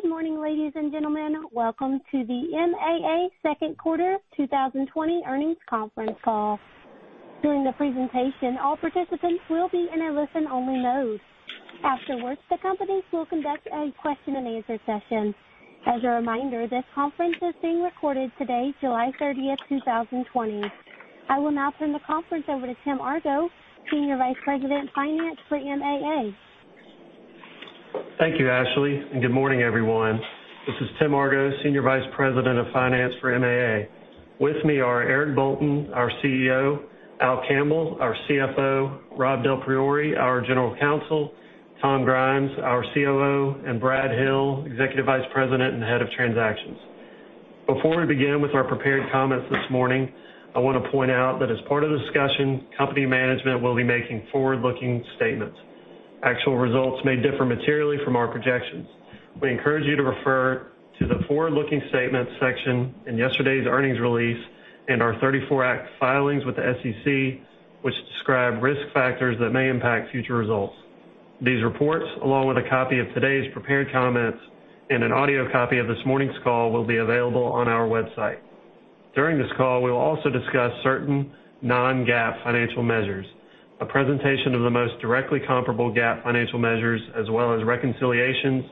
Good morning, ladies and gentlemen. Welcome to the MAA second quarter 2020 earnings conference call. During the presentation, all participants will be in a listen-only mode. Afterwards, the companies will conduct a question and answer session. As a reminder, this conference is being recorded today, July 30th, 2020. I will now turn the conference over to Timothy Argo, Senior Vice President of Finance for MAA. Thank you, Ashley, and good morning, everyone. This is Tim Argo, Senior Vice President of Finance for MAA. With me are Eric Bolton, our CEO, Al Campbell, our CFO, Rob DelPriore, our General Counsel, Tom Grimes, our COO, and Brad Hill, Executive Vice President and Head of Transactions. Before we begin with our prepared comments this morning, I want to point out that as part of the discussion, company management will be making forward-looking statements. Actual results may differ materially from our projections. We encourage you to refer to the forward-looking statements section in yesterday's earnings release and our '34 Act filings with the SEC, which describe risk factors that may impact future results. These reports, along with a copy of today's prepared comments and an audio copy of this morning's call, will be available on our website. During this call, we will also discuss certain non-GAAP financial measures. A presentation of the most directly comparable GAAP financial measures, as well as reconciliations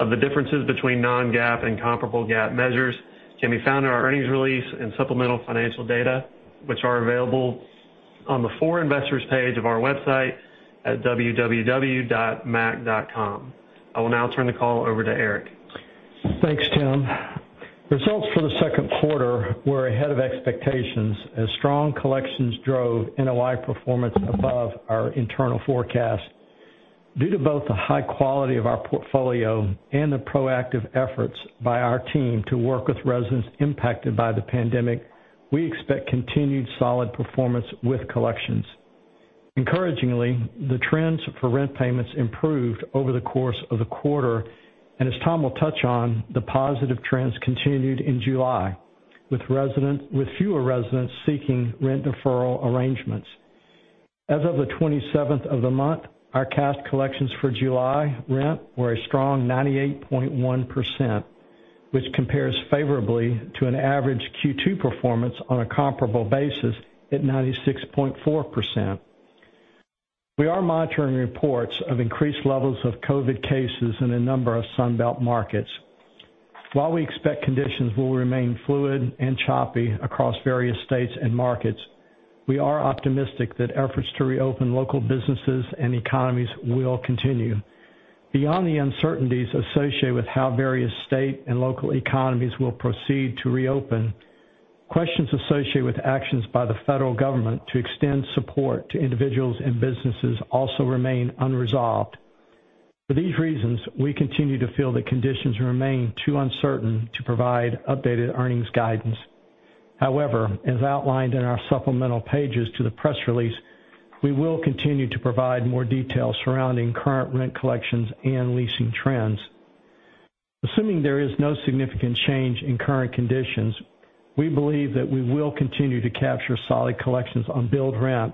of the differences between non-GAAP and comparable GAAP measures, can be found in our earnings release and supplemental financial data, which are available on the For Investors page of our website at www.maac.com. I will now turn the call over to Eric. Thanks, Tim. Results for the second quarter were ahead of expectations as strong collections drove NOI performance above our internal forecast. Due to both the high quality of our portfolio and the proactive efforts by our team to work with residents impacted by the pandemic, we expect continued solid performance with collections. Encouragingly, the trends for rent payments improved over the course of the quarter. As Tom will touch on, the positive trends continued in July with fewer residents seeking rent deferral arrangements. As of the 27th of the month, our cash collections for July rent were a strong 98.1%, which compares favorably to an average Q2 performance on a comparable basis at 96.4%. We are monitoring reports of increased levels of COVID cases in a number of Sun Belt markets. While we expect conditions will remain fluid and choppy across various states and markets, we are optimistic that efforts to reopen local businesses and economies will continue. Beyond the uncertainties associated with how various state and local economies will proceed to reopen, questions associated with actions by the federal government to extend support to individuals and businesses also remain unresolved. For these reasons, we continue to feel that conditions remain too uncertain to provide updated earnings guidance. However, as outlined in our supplemental pages to the press release, we will continue to provide more details surrounding current rent collections and leasing trends. Assuming there is no significant change in current conditions, we believe that we will continue to capture solid collections on billed rent,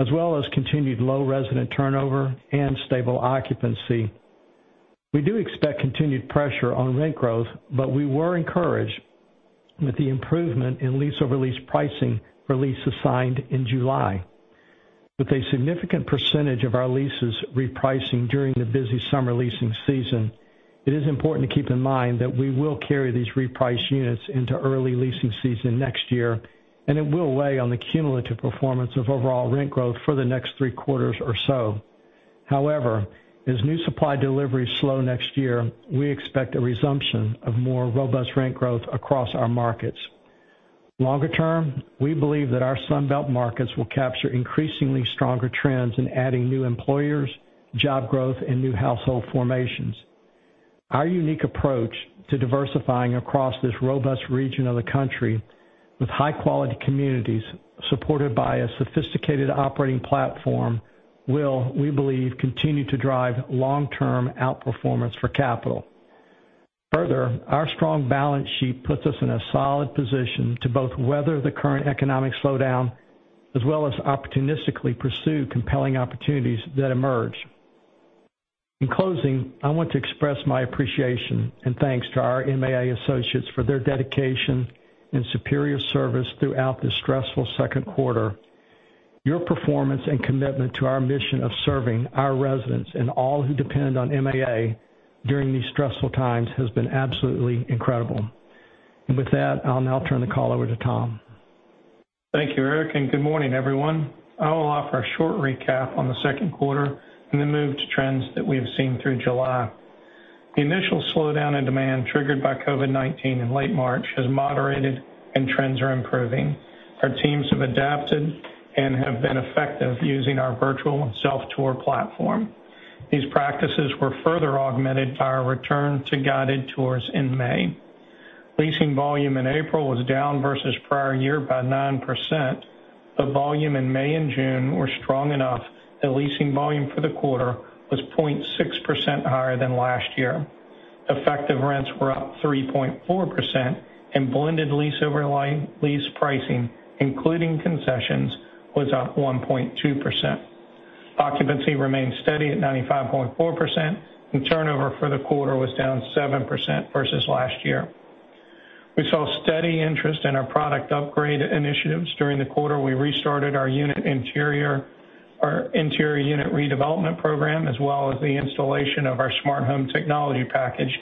as well as continued low resident turnover and stable occupancy. We do expect continued pressure on rent growth, but we were encouraged with the improvement in lease-over-lease pricing for leases signed in July. With a significant percentage of our leases repricing during the busy summer leasing season, it is important to keep in mind that we will carry these repriced units into early leasing season next year, and it will weigh on the cumulative performance of overall rent growth for the next three quarters or so. However, as new supply deliveries slow next year, we expect a resumption of more robust rent growth across our markets. Longer term, we believe that our Sun Belt markets will capture increasingly stronger trends in adding new employers, job growth, and new household formations. Our unique approach to diversifying across this robust region of the country with high-quality communities supported by a sophisticated operating platform will, we believe, continue to drive long-term outperformance for capital. Our strong balance sheet puts us in a solid position to both weather the current economic slowdown as well as opportunistically pursue compelling opportunities that emerge. In closing, I want to express my appreciation and thanks to our MAA associates for their dedication and superior service throughout this stressful second quarter. Your performance and commitment to our mission of serving our residents and all who depend on MAA during these stressful times has been absolutely incredible. With that, I'll now turn the call over to Tom. Thank you, Eric, and good morning, everyone. I will offer a short recap on the second quarter and the move to trends that we have seen through July. The initial slowdown in demand triggered by COVID-19 in late March has moderated and trends are improving. Our teams have adapted and have been effective using our virtual and self-tour platform. These practices were further augmented by our return to guided tours in May. Leasing volume in April was down versus prior year by 9%. The volume in May and June were strong enough that leasing volume for the quarter was 0.6% higher than last year. Effective rents were up 3.4%, and blended lease-over-lease pricing, including concessions, was up 1.2%. Occupancy remained steady at 95.4%, and turnover for the quarter was down 7% versus last year. We saw steady interest in our product upgrade initiatives. During the quarter, we restarted our interior unit redevelopment program, as well as the installation of our smart home technology package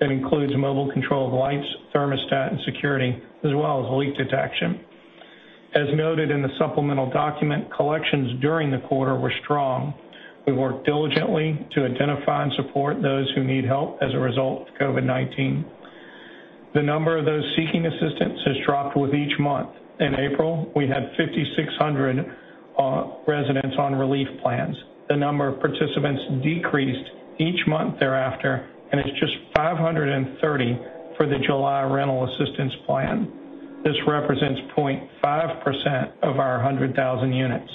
that includes mobile control of lights, thermostat, and security, as well as leak detection. As noted in the supplemental document, collections during the quarter were strong. We worked diligently to identify and support those who need help as a result of COVID-19. The number of those seeking assistance has dropped with each month. In April, we had 5,600 residents on relief plans. The number of participants decreased each month thereafter, and it's just 530 for the July rental assistance plan. This represents 0.5% of our 100,000 units.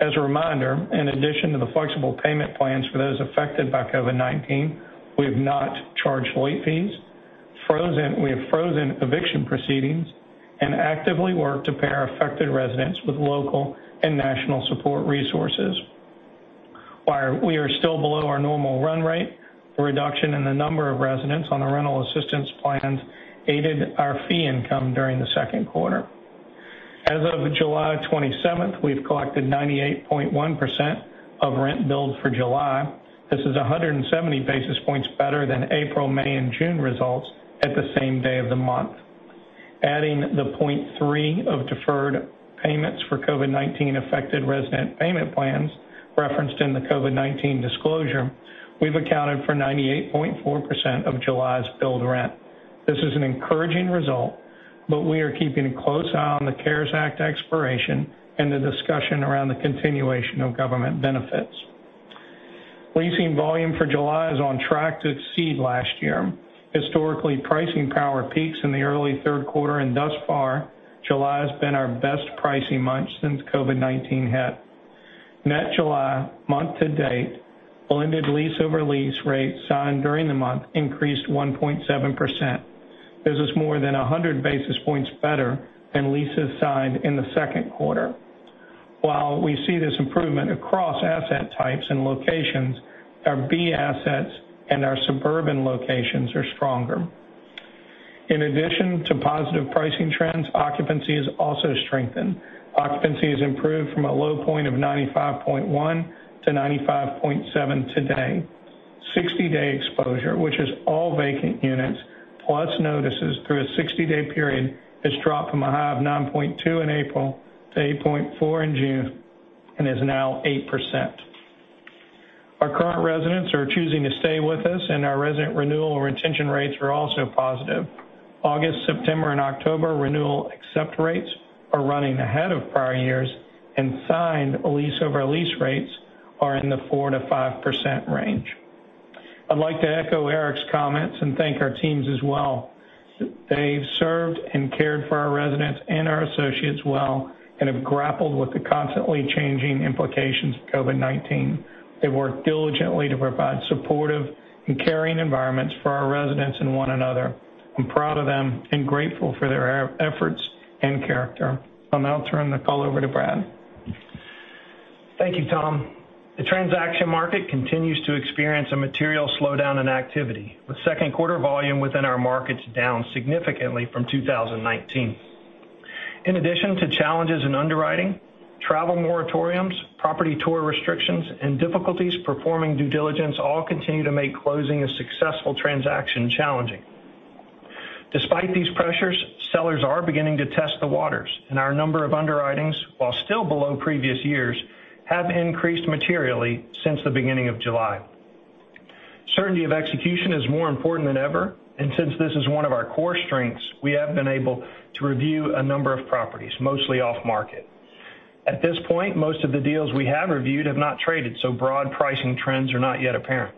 As a reminder, in addition to the flexible payment plans for those affected by COVID-19, we have not charged late fees, we have frozen eviction proceedings, and actively work to pair affected residents with local and national support resources. While we are still below our normal run rate, the reduction in the number of residents on the rental assistance plans aided our fee income during the second quarter. As of July 27th, we've collected 98.1% of rent billed for July. This is 170 basis points better than April, May, and June results at the same day of the month. Adding the 0.3 of deferred payments for COVID-19 affected resident payment plans referenced in the COVID-19 disclosure, we've accounted for 98.4% of July's billed rent. This is an encouraging result, but we are keeping a close eye on the CARES Act expiration and the discussion around the continuation of government benefits. Leasing volume for July is on track to exceed last year. Historically, pricing power peaks in the early third quarter, and thus far, July has been our best pricing month since COVID-19 hit. Net July month to date, blended lease-over-lease rates signed during the month increased 1.7%. This is more than 100 basis points better than leases signed in the second quarter. While we see this improvement across asset types and locations, our B assets and our suburban locations are stronger. In addition to positive pricing trends, occupancy has also strengthened. Occupancy has improved from a low point of 95.1 to 95.7 today. 60-day exposure, which is all vacant units, plus notices through a 60-day period, has dropped from a high of 9.2 in April to 8.4 in June and is now 8%. Our current residents are choosing to stay with us, and our resident renewal retention rates are also positive. August, September, and October renewal accept rates are running ahead of prior years, and signed lease-over-lease rates are in the 4%-5% range. I'd like to echo Eric's comments and thank our teams as well. They've served and cared for our residents and our associates well and have grappled with the constantly changing implications of COVID-19. They've worked diligently to provide supportive and caring environments for our residents and one another. I'm proud of them and grateful for their efforts and character. I'll now turn the call over to Brad. Thank you, Tom. The transaction market continues to experience a material slowdown in activity, with second quarter volume within our markets down significantly from 2019. In addition to challenges in underwriting, travel moratoriums, property tour restrictions, and difficulties performing due diligence all continue to make closing a successful transaction challenging. Despite these pressures, sellers are beginning to test the waters, and our number of underwritings, while still below previous years, have increased materially since the beginning of July. Certainty of execution is more important than ever, and since this is one of our core strengths, we have been able to review a number of properties, mostly off-market. At this point, most of the deals we have reviewed have not traded, so broad pricing trends are not yet apparent.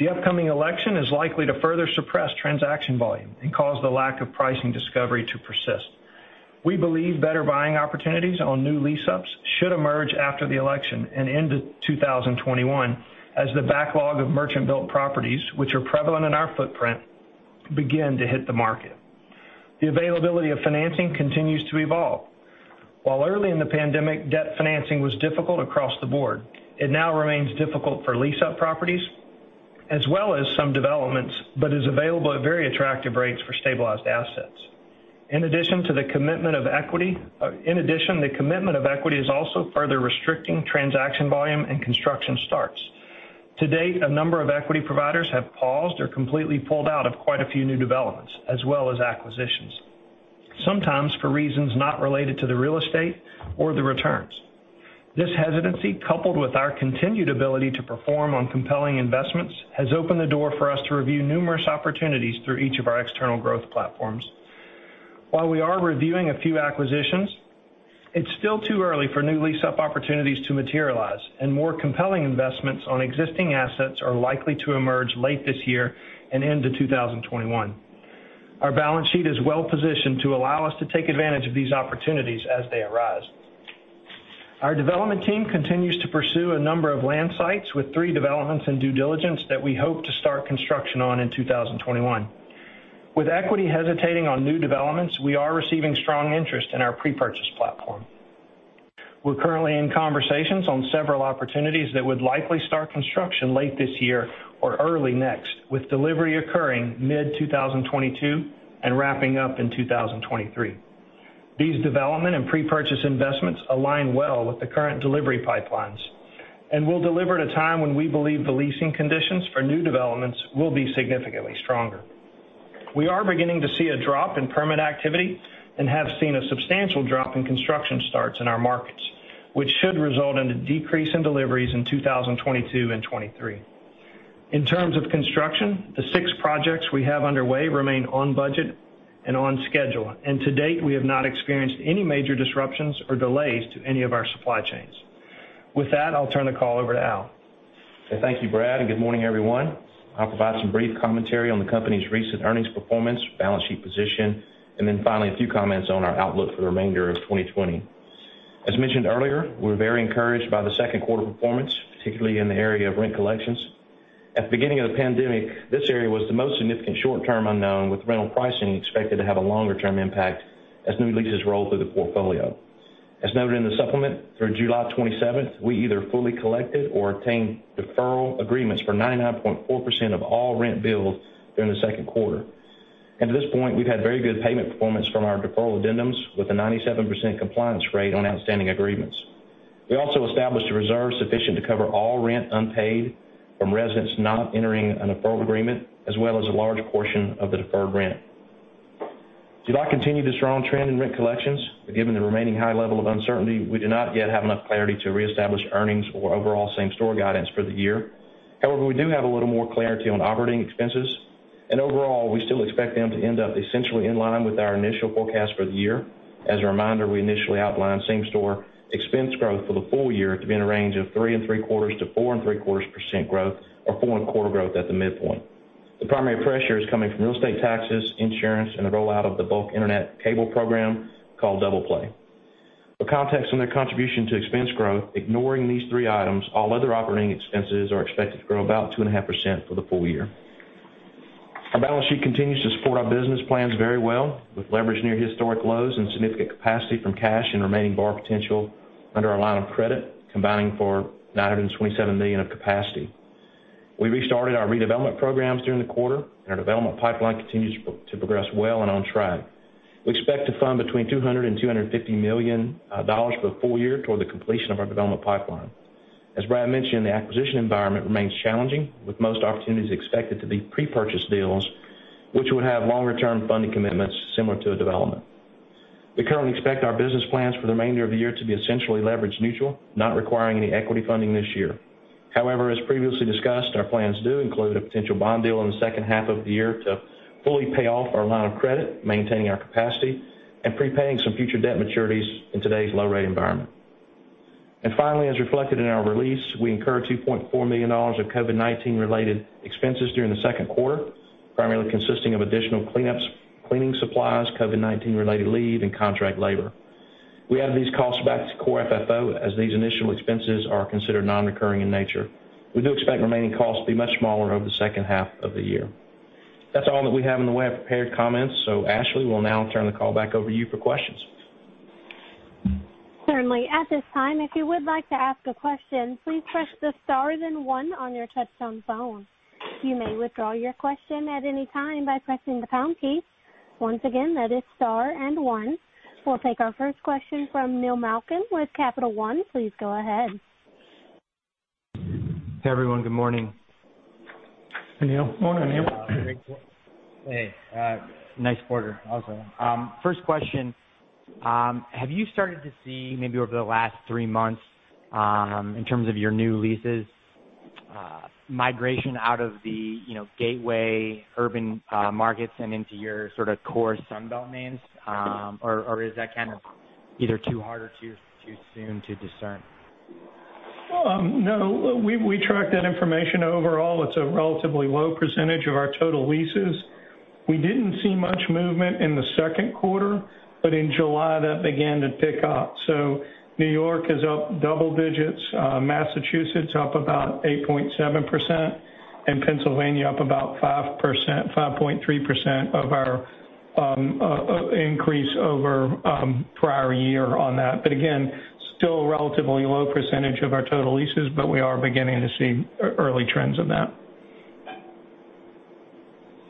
The upcoming election is likely to further suppress transaction volume and cause the lack of pricing discovery to persist. We believe better buying opportunities on new lease-ups should emerge after the election and into 2021 as the backlog of merchant build properties, which are prevalent in our footprint, begin to hit the market. The availability of financing continues to evolve. While early in the pandemic, debt financing was difficult across the board, it now remains difficult for lease-up properties as well as some developments, but is available at very attractive rates for stabilized assets. In addition, the commitment of equity is also further restricting transaction volume and construction starts. To date, a number of equity providers have paused or completely pulled out of quite a few new developments as well as acquisitions, sometimes for reasons not related to the real estate or the returns. This hesitancy, coupled with our continued ability to perform on compelling investments, has opened the door for us to review numerous opportunities through each of our external growth platforms. While we are reviewing a few acquisitions, it's still too early for new lease-up opportunities to materialize, and more compelling investments on existing assets are likely to emerge late this year and into 2021. Our balance sheet is well positioned to allow us to take advantage of these opportunities as they arise. Our development team continues to pursue a number of land sites with three developments in due diligence that we hope to start construction on in 2021. With equity hesitating on new developments, we are receiving strong interest in our pre-purchase platform. We're currently in conversations on several opportunities that would likely start construction late this year or early next, with delivery occurring mid-2022 and wrapping up in 2023. These development and pre-purchase investments align well with the current delivery pipelines and will deliver at a time when we believe the leasing conditions for new developments will be significantly stronger. We are beginning to see a drop in permit activity and have seen a substantial drop in construction starts in our markets, which should result in a decrease in deliveries in 2022 and 2023. In terms of construction, the six projects we have underway remain on budget and on schedule, and to date, we have not experienced any major disruptions or delays to any of our supply chains. With that, I'll turn the call over to Al. Thank you, Brad, good morning, everyone. I'll provide some brief commentary on the company's recent earnings performance, balance sheet position, then finally a few comments on our outlook for the remainder of 2020. As mentioned earlier, we're very encouraged by the second quarter performance, particularly in the area of rent collections. At the beginning of the pandemic, this area was the most significant short-term unknown, with rental pricing expected to have a longer-term impact as new leases roll through the portfolio. As noted in the supplement, through July 27th, we either fully collected or attained deferral agreements for 99.4% of all rent bills during the second quarter. To this point, we've had very good payment performance from our deferral addendums, with a 97% compliance rate on outstanding agreements. We also established a reserve sufficient to cover all rent unpaid from residents not entering a deferral agreement, as well as a large portion of the deferred rent. July continued the strong trend in rent collections, but given the remaining high level of uncertainty, we do not yet have enough clarity to reestablish earnings or overall same-store guidance for the year. We do have a little more clarity on operating expenses, and overall, we still expect them to end up essentially in line with our initial forecast for the year. As a reminder, we initially outlined same-store expense growth for the full year to be in a range of 3.75%-4.75% growth or 4.25% growth at the midpoint. The primary pressure is coming from real estate taxes, insurance, and the rollout of the bulk internet cable program called DoublePlay. For context on their contribution to expense growth, ignoring these three items, all other operating expenses are expected to grow about 2.5% for the full year. Our balance sheet continues to support our business plans very well, with leverage near historic lows and significant capacity from cash and remaining borrow potential under our line of credit, combining for $927 million of capacity. We restarted our redevelopment programs during the quarter, and our development pipeline continues to progress well and on track. We expect to fund between $200 million and $250 million for the full year toward the completion of our development pipeline. As Brad mentioned, the acquisition environment remains challenging, with most opportunities expected to be pre-purchase deals, which would have longer-term funding commitments similar to a development. We currently expect our business plans for the remainder of the year to be essentially leverage neutral, not requiring any equity funding this year. However, as previously discussed, our plans do include a potential bond deal in the second half of the year to fully pay off our line of credit, maintaining our capacity, and prepaying some future debt maturities in today's low-rate environment. Finally, as reflected in our release, we incurred $2.4 million of COVID-19 related expenses during the second quarter, primarily consisting of additional cleanups, cleaning supplies, COVID-19 related leave, and contract labor. We add these costs back to Core FFO as these initial expenses are considered non-recurring in nature. We do expect remaining costs to be much smaller over the second half of the year. That's all that we have in the way of prepared comments, so Ashley, we'll now turn the call back over to you for questions. Certainly. At this time, if you would like to ask a question, please press the star, then one on your touchtone phone. You may withdraw your question at any time by pressing the pound key. Once again, that is star and one. We'll take our first question from Neil Malkin with Capital One. Please go ahead. Hey, everyone. Good morning. Hey, Neil. Morning, Neil. Hey. Nice quarter, also. First question, have you started to see maybe over the last three months, in terms of your new leases, migration out of the gateway urban markets and into your sort of core Sun Belt names? Is that kind of either too hard or too soon to discern? No. We track that information. Overall, it's a relatively low percentage of our total leases. We didn't see much movement in the second quarter, but in July, that began to pick up. New York is up double digits, Massachusetts up about 8.7%, and Pennsylvania up about 5.3% of our increase over prior year on that. Again, still a relatively low percentage of our total leases, but we are beginning to see early trends of that.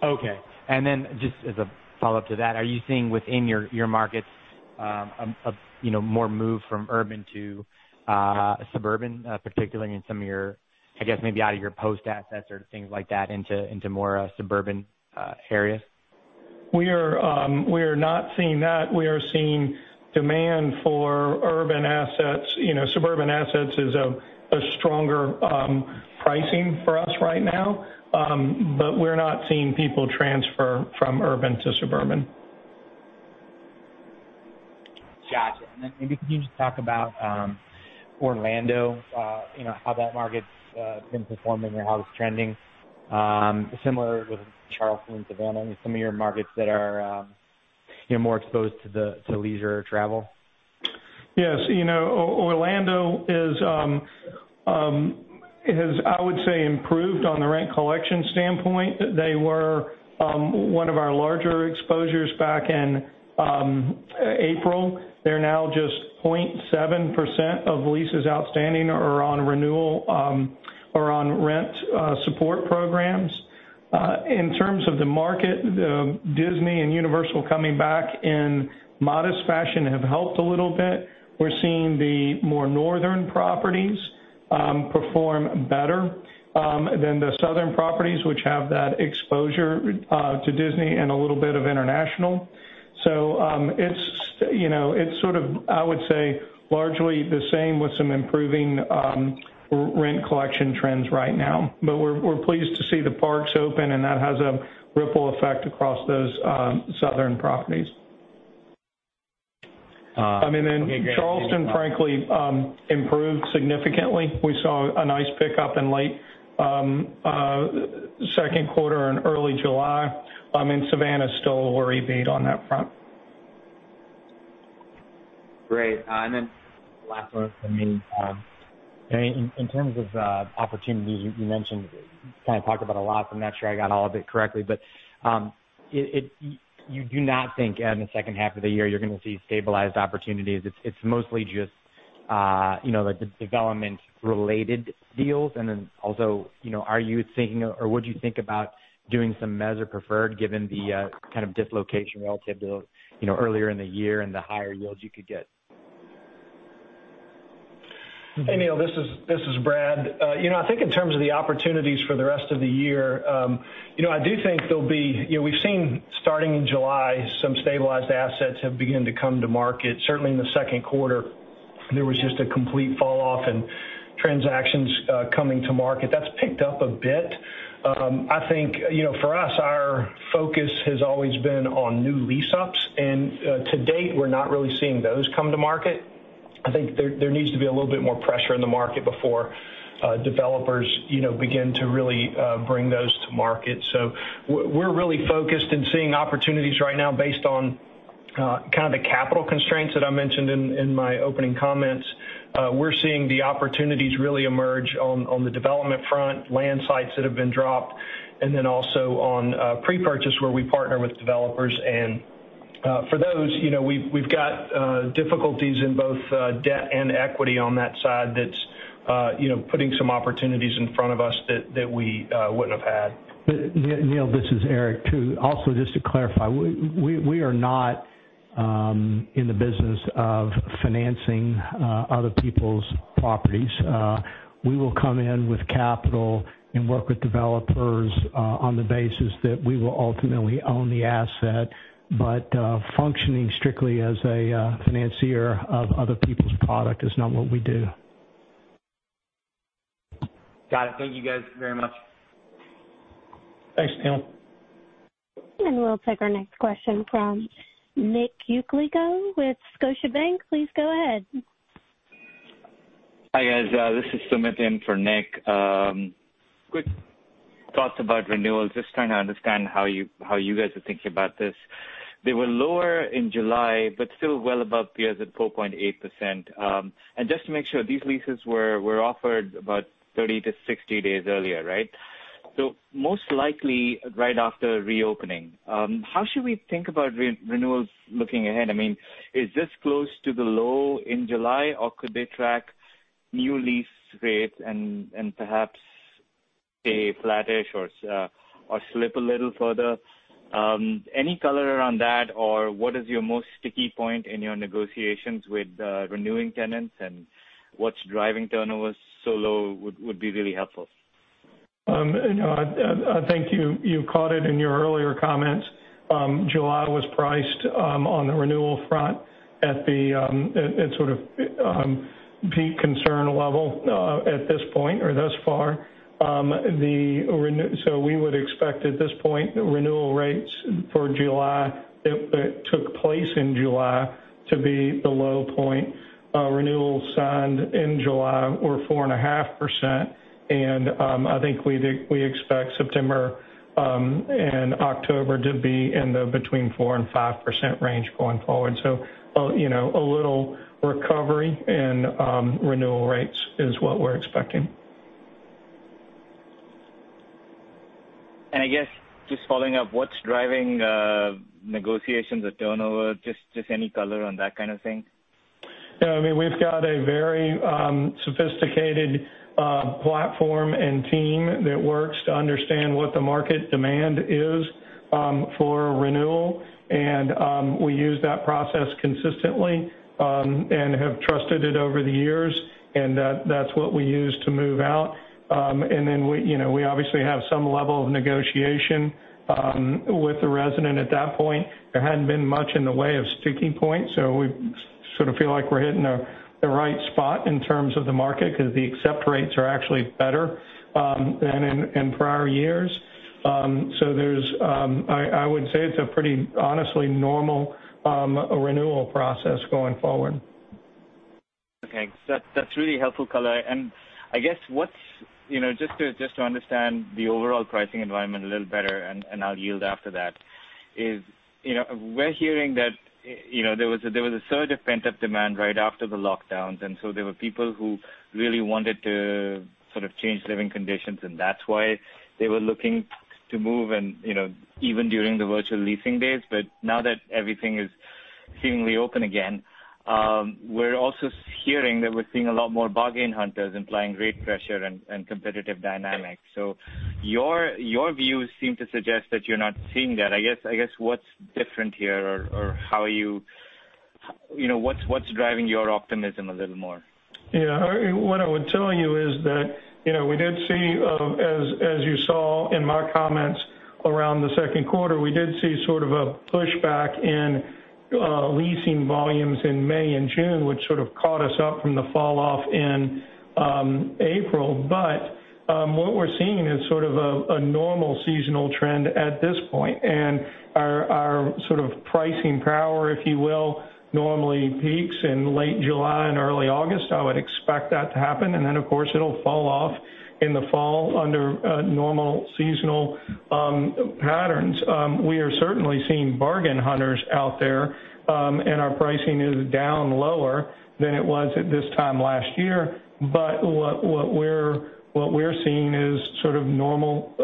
Okay. Then just as a follow-up to that, are you seeing within your markets more move from urban to suburban, particularly in some of your, I guess, maybe out of your coast assets or things like that into more suburban areas? We are not seeing that. We are seeing demand for urban assets. Suburban assets is a stronger pricing for us right now, but we're not seeing people transfer from urban to suburban. Gotcha. Then maybe can you just talk about Orlando, how that market's been performing or how it's trending? Similar with Charleston and Savannah and some of your markets that are. You're more exposed to the leisure travel. Yes. Orlando has, I would say, improved on the rent collection standpoint. They were one of our larger exposures back in April. They're now just 0.7% of leases outstanding or on renewal or on rent support programs. In terms of the market, Disney and Universal coming back in modest fashion have helped a little bit. We're seeing the more northern properties perform better than the southern properties, which have that exposure to Disney and a little bit of international. It's sort of, I would say, largely the same with some improving rent collection trends right now. We're pleased to see the parks open, and that has a ripple effect across those southern properties. Okay, great. Charleston frankly, improved significantly. We saw a nice pickup in late second quarter and early July. Savannah is still a worry bead on that front. Great. Last one from me. In terms of opportunities, you mentioned, kind of talked about a lot, I'm not sure I got all of it correctly, you do not think in the second half of the year you're going to see stabilized opportunities. It's mostly just the development related deals, also, are you thinking of, or would you think about doing some mezz or preferred given the kind of dislocation relative to earlier in the year and the higher yields you could get? Hey, Neil, this is Brad. I think in terms of the opportunities for the rest of the year, We've seen starting in July, some stabilized assets have begun to come to market. Certainly in the second quarter, there was just a complete fall off in transactions coming to market. That's picked up a bit. I think, for us, our focus has always been on new lease ups, and to date, we're not really seeing those come to market. I think there needs to be a little bit more pressure in the market before developers begin to really bring those to market. We're really focused and seeing opportunities right now based on kind of the capital constraints that I mentioned in my opening comments. We're seeing the opportunities really emerge on the development front, land sites that have been dropped, and then also on pre-purchase where we partner with developers. For those we've got difficulties in both debt and equity on that side that's putting some opportunities in front of us that we wouldn't have had. Neil, this is Eric too. Just to clarify, we are not in the business of financing other people's properties. We will come in with capital and work with developers on the basis that we will ultimately own the asset. Functioning strictly as a financier of other people's product is not what we do. Got it. Thank you guys very much. Thanks, Neil. We'll take our next question from Nick Yulico with Scotiabank. Please go ahead. Hi, guys. This is Sumit in for Nick. Quick thoughts about renewals. Just trying to understand how you guys are thinking about this. They were lower in July, still well above peers at 4.8%. Just to make sure, these leases were offered about 30 to 60 days earlier, right? Most likely right after reopening. How should we think about renewals looking ahead? Is this close to the low in July, could they track new lease rates and perhaps stay flattish or slip a little further? Any color around that, what is your most sticky point in your negotiations with renewing tenants and what's driving turnover so low would be really helpful. I think you caught it in your earlier comments. July was priced on the renewal front at sort of peak concern level at this point or thus far. We would expect at this point, renewal rates for July, that took place in July to be the low point. Renewals signed in July were 4.5% and I think we expect September and October to be in the between 4% and 5% range going forward. A little recovery in renewal rates is what we're expecting. I guess just following up, what's driving negotiations or turnover? Just any color on that kind of thing. We've got a very sophisticated platform and team that works to understand what the market demand is for renewal. We use that process consistently and have trusted it over the years, and that's what we use to move out. Then we obviously have some level of negotiation with the resident at that point. There hadn't been much in the way of sticking points, so we sort of feel like we're hitting the right spot in terms of the market because the accept rates are actually better than in prior years. I would say it's a pretty honestly normal renewal process going forward. Okay. That's really helpful color. I guess, just to understand the overall pricing environment a little better, and I'll yield after that is, we're hearing that there was a surge of pent-up demand right after the lockdowns, there were people who really wanted to sort of change living conditions, and that's why they were looking to move and even during the virtual leasing days. Now that everything is seemingly open again, we're also hearing that we're seeing a lot more bargain hunters implying rate pressure and competitive dynamics. Your views seem to suggest that you're not seeing that. I guess what's different here or what's driving your optimism a little more? Yeah. What I would tell you is that, as you saw in my comments around the second quarter, we did see sort of a pushback in leasing volumes in May and June, which sort of caught us up from the fall-off in April. What we're seeing is sort of a normal seasonal trend at this point, and our sort of pricing power, if you will, normally peaks in late July and early August. I would expect that to happen, and then of course, it'll fall off in the fall under normal seasonal patterns. We are certainly seeing bargain hunters out there, and our pricing is down lower than it was at this time last year. What we're seeing is sort of normal,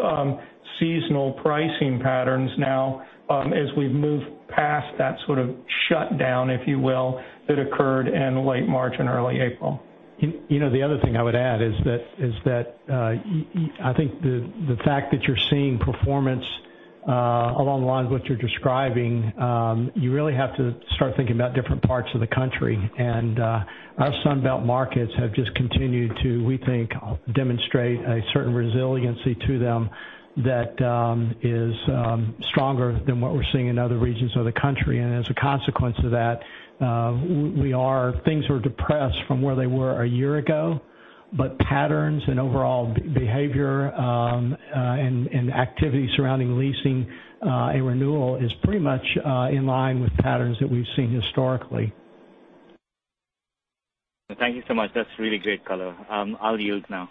seasonal pricing patterns now, as we've moved past that sort of shutdown, if you will, that occurred in late March and early April. The other thing I would add is that, I think the fact that you're seeing performance, along the lines of what you're describing, you really have to start thinking about different parts of the country. Our Sun Belt markets have just continued to, we think, demonstrate a certain resiliency to them that is stronger than what we're seeing in other regions of the country. As a consequence of that, things were depressed from where they were a year ago, but patterns and overall behavior, and activity surrounding leasing, and renewal is pretty much in line with patterns that we've seen historically. Thank you so much. That's really great color. I'll yield now.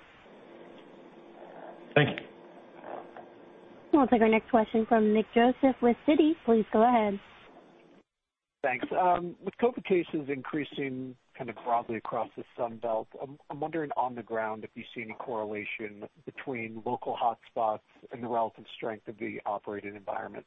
Thank you. We'll take our next question from Nick Joseph with Citi. Please go ahead. Thanks. With COVID cases increasing kind of broadly across the Sun Belt, I'm wondering on the ground if you see any correlation between local hotspots and the relative strength of the operating environment.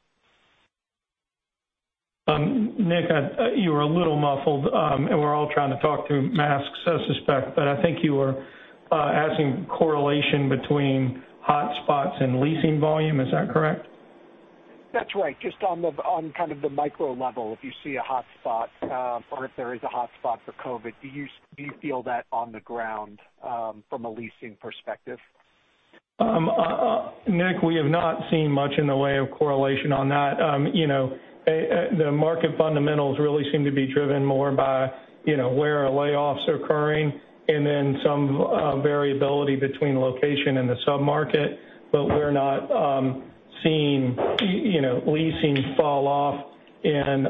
Nick, you were a little muffled, and we're all trying to talk through masks, I suspect, but I think you were asking correlation between hotspots and leasing volume. Is that correct? That's right. Just on kind of the micro level, if you see a hotspot, or if there is a hotspot for COVID, do you feel that on the ground, from a leasing perspective? Nick, we have not seen much in the way of correlation on that. The market fundamentals really seem to be driven more by where are layoffs occurring and then some variability between location and the sub-market. We're not seeing leasing fall off in,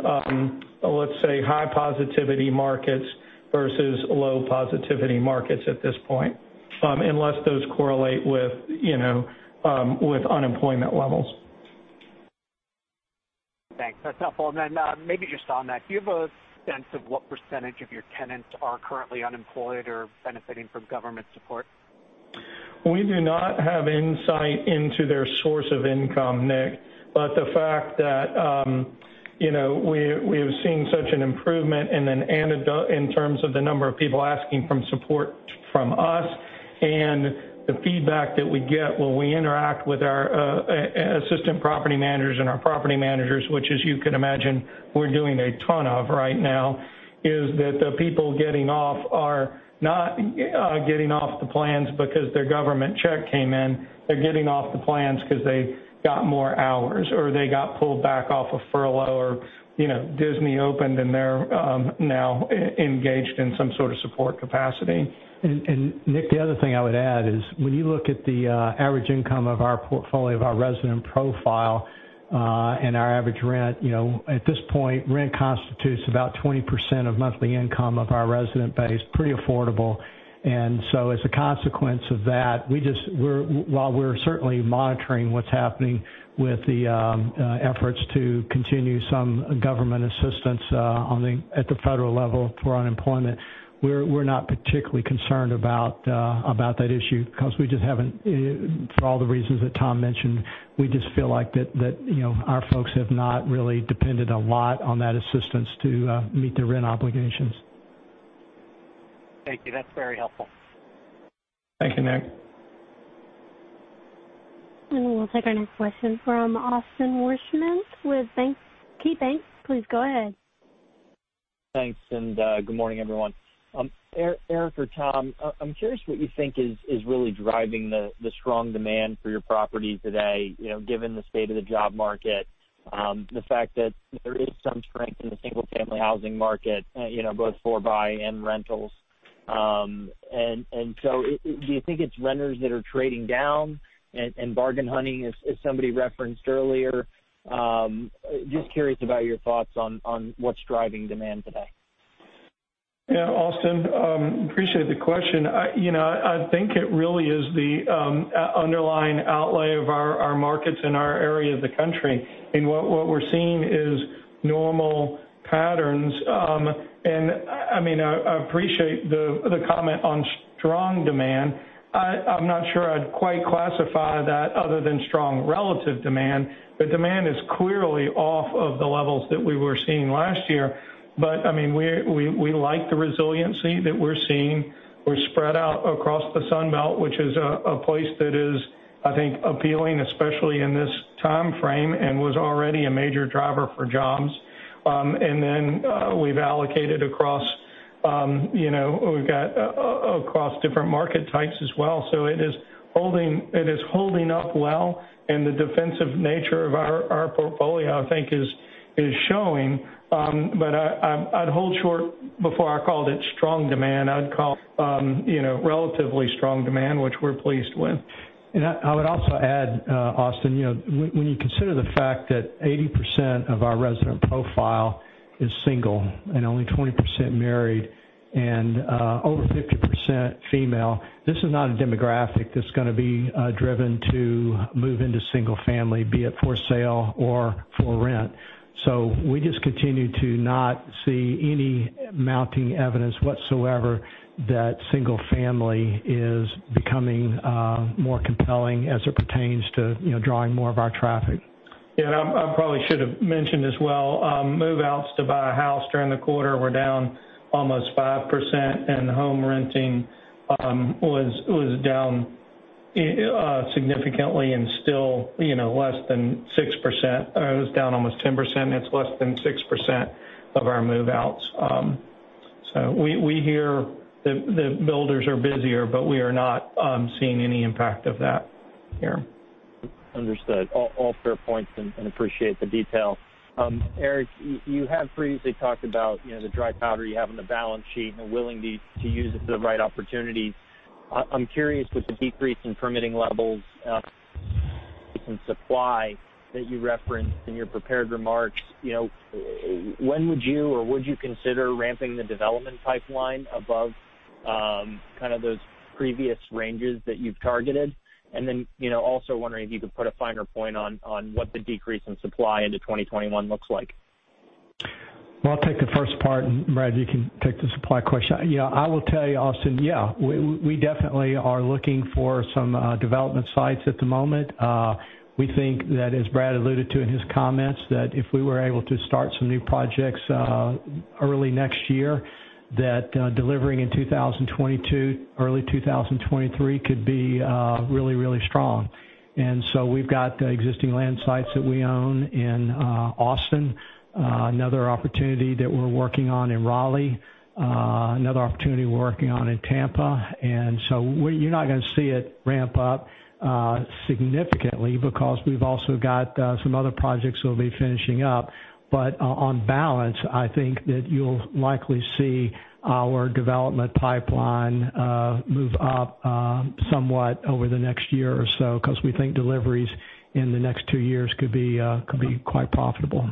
let's say, high positivity markets versus low positivity markets at this point, unless those correlate with unemployment levels. Thanks. That is helpful. Maybe just on that, do you have a sense of what percentage of your tenants are currently unemployed or benefiting from government support? We do not have insight into their source of income, Nick, but the fact that we have seen such an improvement in terms of the number of people asking from support from us and the feedback that we get when we interact with our assistant property managers and our property managers, which as you can imagine, we're doing a ton of right now, is that the people getting off are not getting off the plans because their government check came in. They're getting off the plans because they got more hours, or they got pulled back off of furlough or Disney opened, and they're now engaged in some sort of support capacity. Nick, the other thing I would add is when you look at the average income of our portfolio, of our resident profile, and our average rent, at this point, rent constitutes about 20% of monthly income of our resident base, pretty affordable. As a consequence of that, while we're certainly monitoring what's happening with the efforts to continue some government assistance at the federal level for unemployment, we're not particularly concerned about that issue because for all the reasons that Tom mentioned, we just feel like that our folks have not really depended a lot on that assistance to meet their rent obligations. Thank you. That's very helpful. Thank you, Nick. We'll take our next question from Austin Wurschmidt with KeyBanc. Please go ahead. Thanks, good morning, everyone. Eric or Tom, I'm curious what you think is really driving the strong demand for your properties today, given the state of the job market, the fact that there is some strength in the single-family housing market both for buy and rentals. Do you think it's renters that are trading down and bargain hunting, as somebody referenced earlier? Just curious about your thoughts on what's driving demand today. Yeah, Austin, appreciate the question. I think it really is the underlying outlay of our markets in our area of the country. What we're seeing is normal patterns. I appreciate the comment on strong demand. I'm not sure I'd quite classify that other than strong relative demand. The demand is clearly off of the levels that we were seeing last year. We like the resiliency that we're seeing. We're spread out across the Sun Belt, which is a place that is, I think, appealing, especially in this timeframe, and was already a major driver for jobs. We've allocated across different market types as well. It is holding up well, and the defensive nature of our portfolio, I think, is showing. I'd hold short before I called it strong demand. I'd call relatively strong demand, which we're pleased with. I would also add, Austin, when you consider the fact that 80% of our resident profile is single and only 20% married and over 50% female, this is not a demographic that's going to be driven to move into single family, be it for sale or for rent. We just continue to not see any mounting evidence whatsoever that single family is becoming more compelling as it pertains to drawing more of our traffic. Yeah, I probably should have mentioned as well, move-outs to buy a house during the quarter were down almost 5%, and home renting was down significantly and still less than 6%. It was down almost 10%. It's less than 6% of our move-outs. We hear the builders are busier, but we are not seeing any impact of that here. Understood. All fair points, and appreciate the detail. Eric, you have previously talked about the dry powder you have on the balance sheet and the willingness to use it for the right opportunities. I'm curious, with the decrease in permitting levels in supply that you referenced in your prepared remarks, when would you or would you consider ramping the development pipeline above those previous ranges that you've targeted? Also wondering if you could put a finer point on what the decrease in supply into 2021 looks like. Well, I'll take the first part, and Brad, you can take the supply question. I will tell you, Austin, yeah, we definitely are looking for some development sites at the moment. We think that, as Brad alluded to in his comments, that if we were able to start some new projects early next year, that delivering in 2022, early 2023 could be really strong. We've got existing land sites that we own in Austin, another opportunity that we're working on in Raleigh, another opportunity we're working on in Tampa. You're not going to see it ramp up significantly because we've also got some other projects that we'll be finishing up. On balance, I think that you'll likely see our development pipeline move up somewhat over the next year or so because we think deliveries in the next two years could be quite profitable.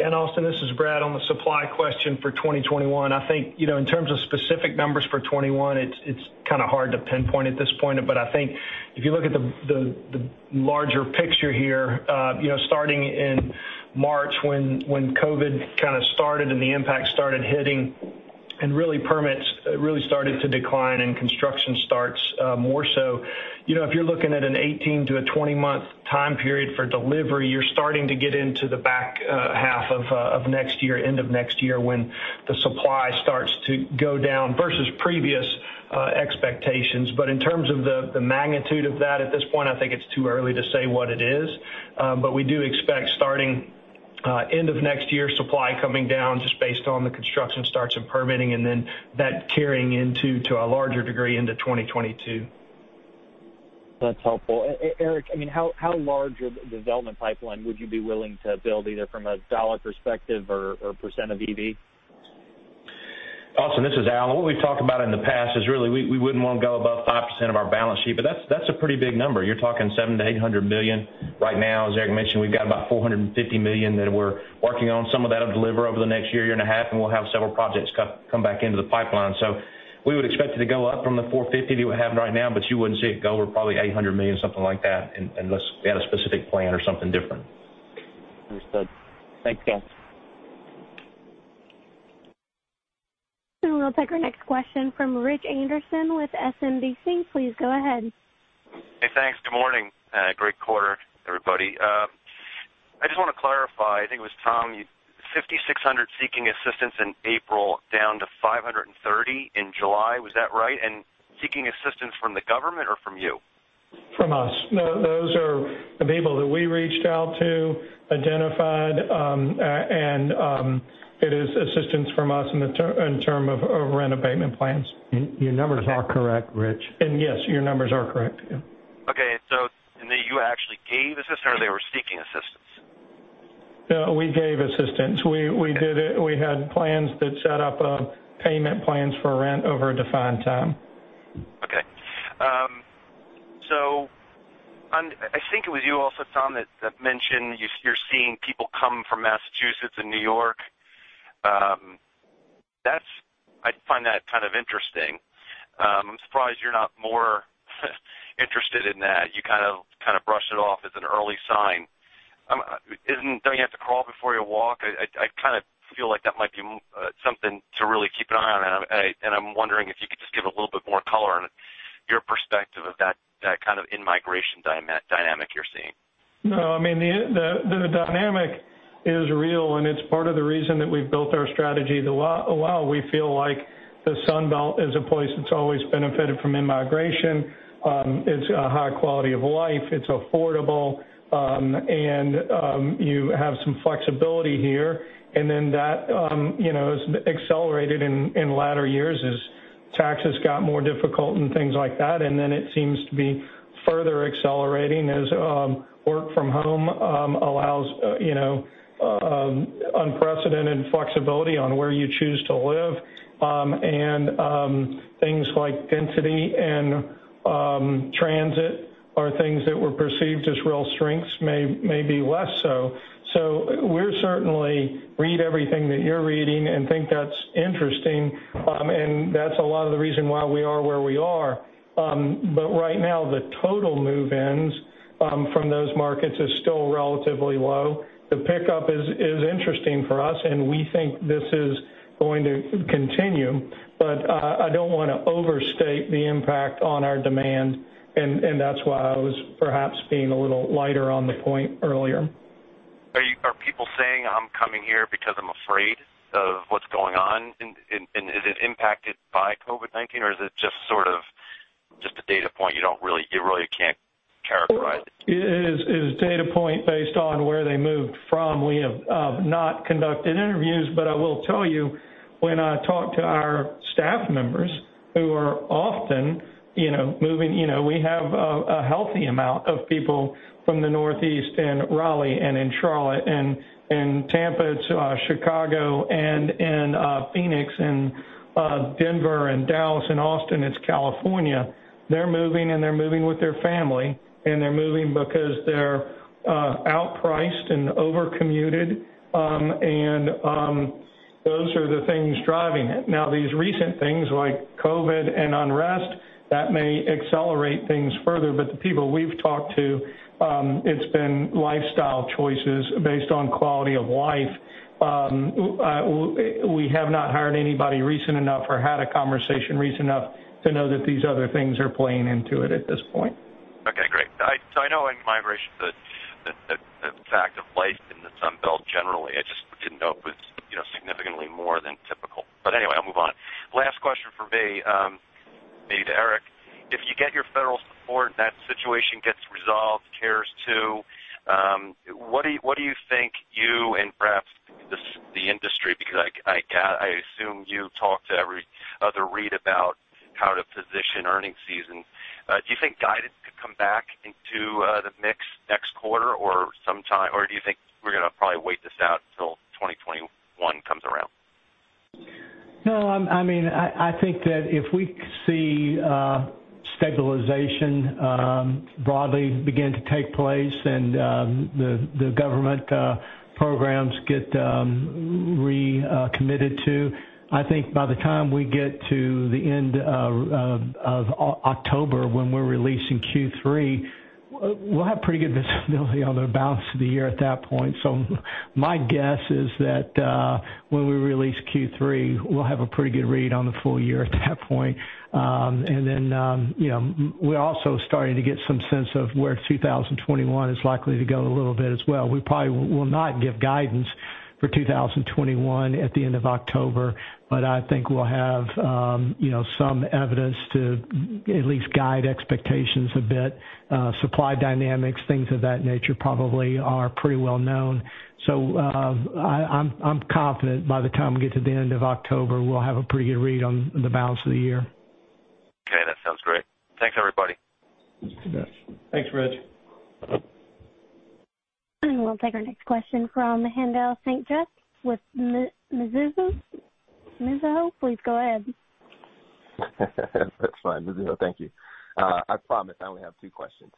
Austin, this is Brad. On the supply question for 2021, I think in terms of specific numbers for 2021, it's kind of hard to pinpoint at this point. I think if you look at the larger picture here, starting in March when COVID-19 kind of started and the impact started hitting and permits really started to decline and construction starts more so. If you're looking at an 18-to-20-month time period for delivery, you're starting to get into the back half of next year, end of next year, when the supply starts to go down versus previous expectations. In terms of the magnitude of that at this point, I think it's too early to say what it is. We do expect starting end of next year, supply coming down just based on the construction starts and permitting, and then that carrying into a larger degree into 2022. That's helpful. Eric, how large of development pipeline would you be willing to build, either from a dollar perspective or % of EV? Austin, this is Al. What we've talked about in the past is really we wouldn't want to go above 5% of our balance sheet, but that's a pretty big number. You're talking $700 million-$800 million right now. As Eric mentioned, we've got about $450 million that we're working on. Some of that will deliver over the next year and a half, and we'll have several projects come back into the pipeline. We would expect it to go up from the 450 that you have right now, but you wouldn't see it go over probably $800 million, something like that, unless we had a specific plan or something different. Understood. Thanks, guys. We'll take our next question from Richard Anderson with SMBC. Please go ahead. Hey, thanks. Good morning. Great quarter, everybody. I just want to clarify, I think it was Tom, 5,600 seeking assistance in April down to 530 in July. Was that right? Seeking assistance from the government or from you? From us. Those are the people that we reached out to, identified, and it is assistance from us in terms of rent abatement plans. Your numbers are correct, Rich. Yes, your numbers are correct. Yeah. Okay. You actually gave assistance, or they were seeking assistance? No, we gave assistance. We had plans that set up payment plans for rent over a defined time. I think it was you also, Tom, that mentioned you're seeing people come from Massachusetts and New York. I find that kind of interesting. I'm surprised you're not more interested in that. You kind of brushed it off as an early sign. Don't you have to crawl before you walk? I kind of feel like that might be something to really keep an eye on, and I'm wondering if you could just give a little bit more color on your perspective of that kind of in-migration dynamic you're seeing. No, I mean, the dynamic is real. It's part of the reason that we've built our strategy the way we feel like the Sun Belt is a place that's always benefited from in-migration. It's a high quality of life, it's affordable. You have some flexibility here. That has accelerated in latter years as taxes got more difficult and things like that. It seems to be further accelerating as work from home allows unprecedented flexibility on where you choose to live. Things like density and transit are things that were perceived as real strengths may be less so. We certainly read everything that you're reading and think that's interesting, and that's a lot of the reason why we are where we are. Right now, the total move-ins from those markets is still relatively low. The pickup is interesting for us, and we think this is going to continue. I don't want to overstate the impact on our demand, and that's why I was perhaps being a little lighter on the point earlier. Are people saying, "I'm coming here because I'm afraid of what's going on?" Is it impacted by COVID-19, or is it just a data point you really can't characterize it? It is a data point based on where they moved from. We have not conducted interviews, but I will tell you, when I talk to our staff members who are often moving, we have a healthy amount of people from the Northeast and Raleigh and in Charlotte and in Tampa to Chicago and in Phoenix and Denver and Dallas and Austin, it's California. They're moving, and they're moving with their family, and they're moving because they're outpriced and over-commuted, and those are the things driving it. These recent things like COVID and unrest, that may accelerate things further, but the people we've talked to, it's been lifestyle choices based on quality of life. We have not hired anybody recent enough or had a conversation recent enough to know that these other things are playing into it at this point. Okay, great. I know in-migration, the fact of life in the Sun Belt generally. I just didn't know it was significantly more than typical. Anyway, I'll move on. Last question for me, maybe to Eric. If you get your federal support and that situation gets resolved, CARES 2, what do you think you and perhaps the industry, because I assume you talk to every other REIT about how to position earnings season. Do you think guidance could come back into the mix next quarter, or do you think we're going to probably wait this out until 2021 comes around? No. I think that if we see stabilization broadly begin to take place and the government programs get recommitted to. I think by the time we get to the end of October, when we're releasing Q3, we'll have pretty good visibility on the balance of the year at that point. My guess is that when we release Q3, we'll have a pretty good read on the full year at that point. Then we're also starting to get some sense of where 2021 is likely to go a little bit as well. We probably will not give guidance for 2021 at the end of October, but I think we'll have some evidence to at least guide expectations a bit. Supply dynamics, things of that nature probably are pretty well known. I'm confident by the time we get to the end of October, we'll have a pretty good read on the balance of the year. Okay, that sounds great. Thanks, everybody. Thanks, Rich. We'll take our next question from Haendel St. Juste with Mizuho. Please go ahead. That's fine. Mizuho, thank you. I promise I only have two questions.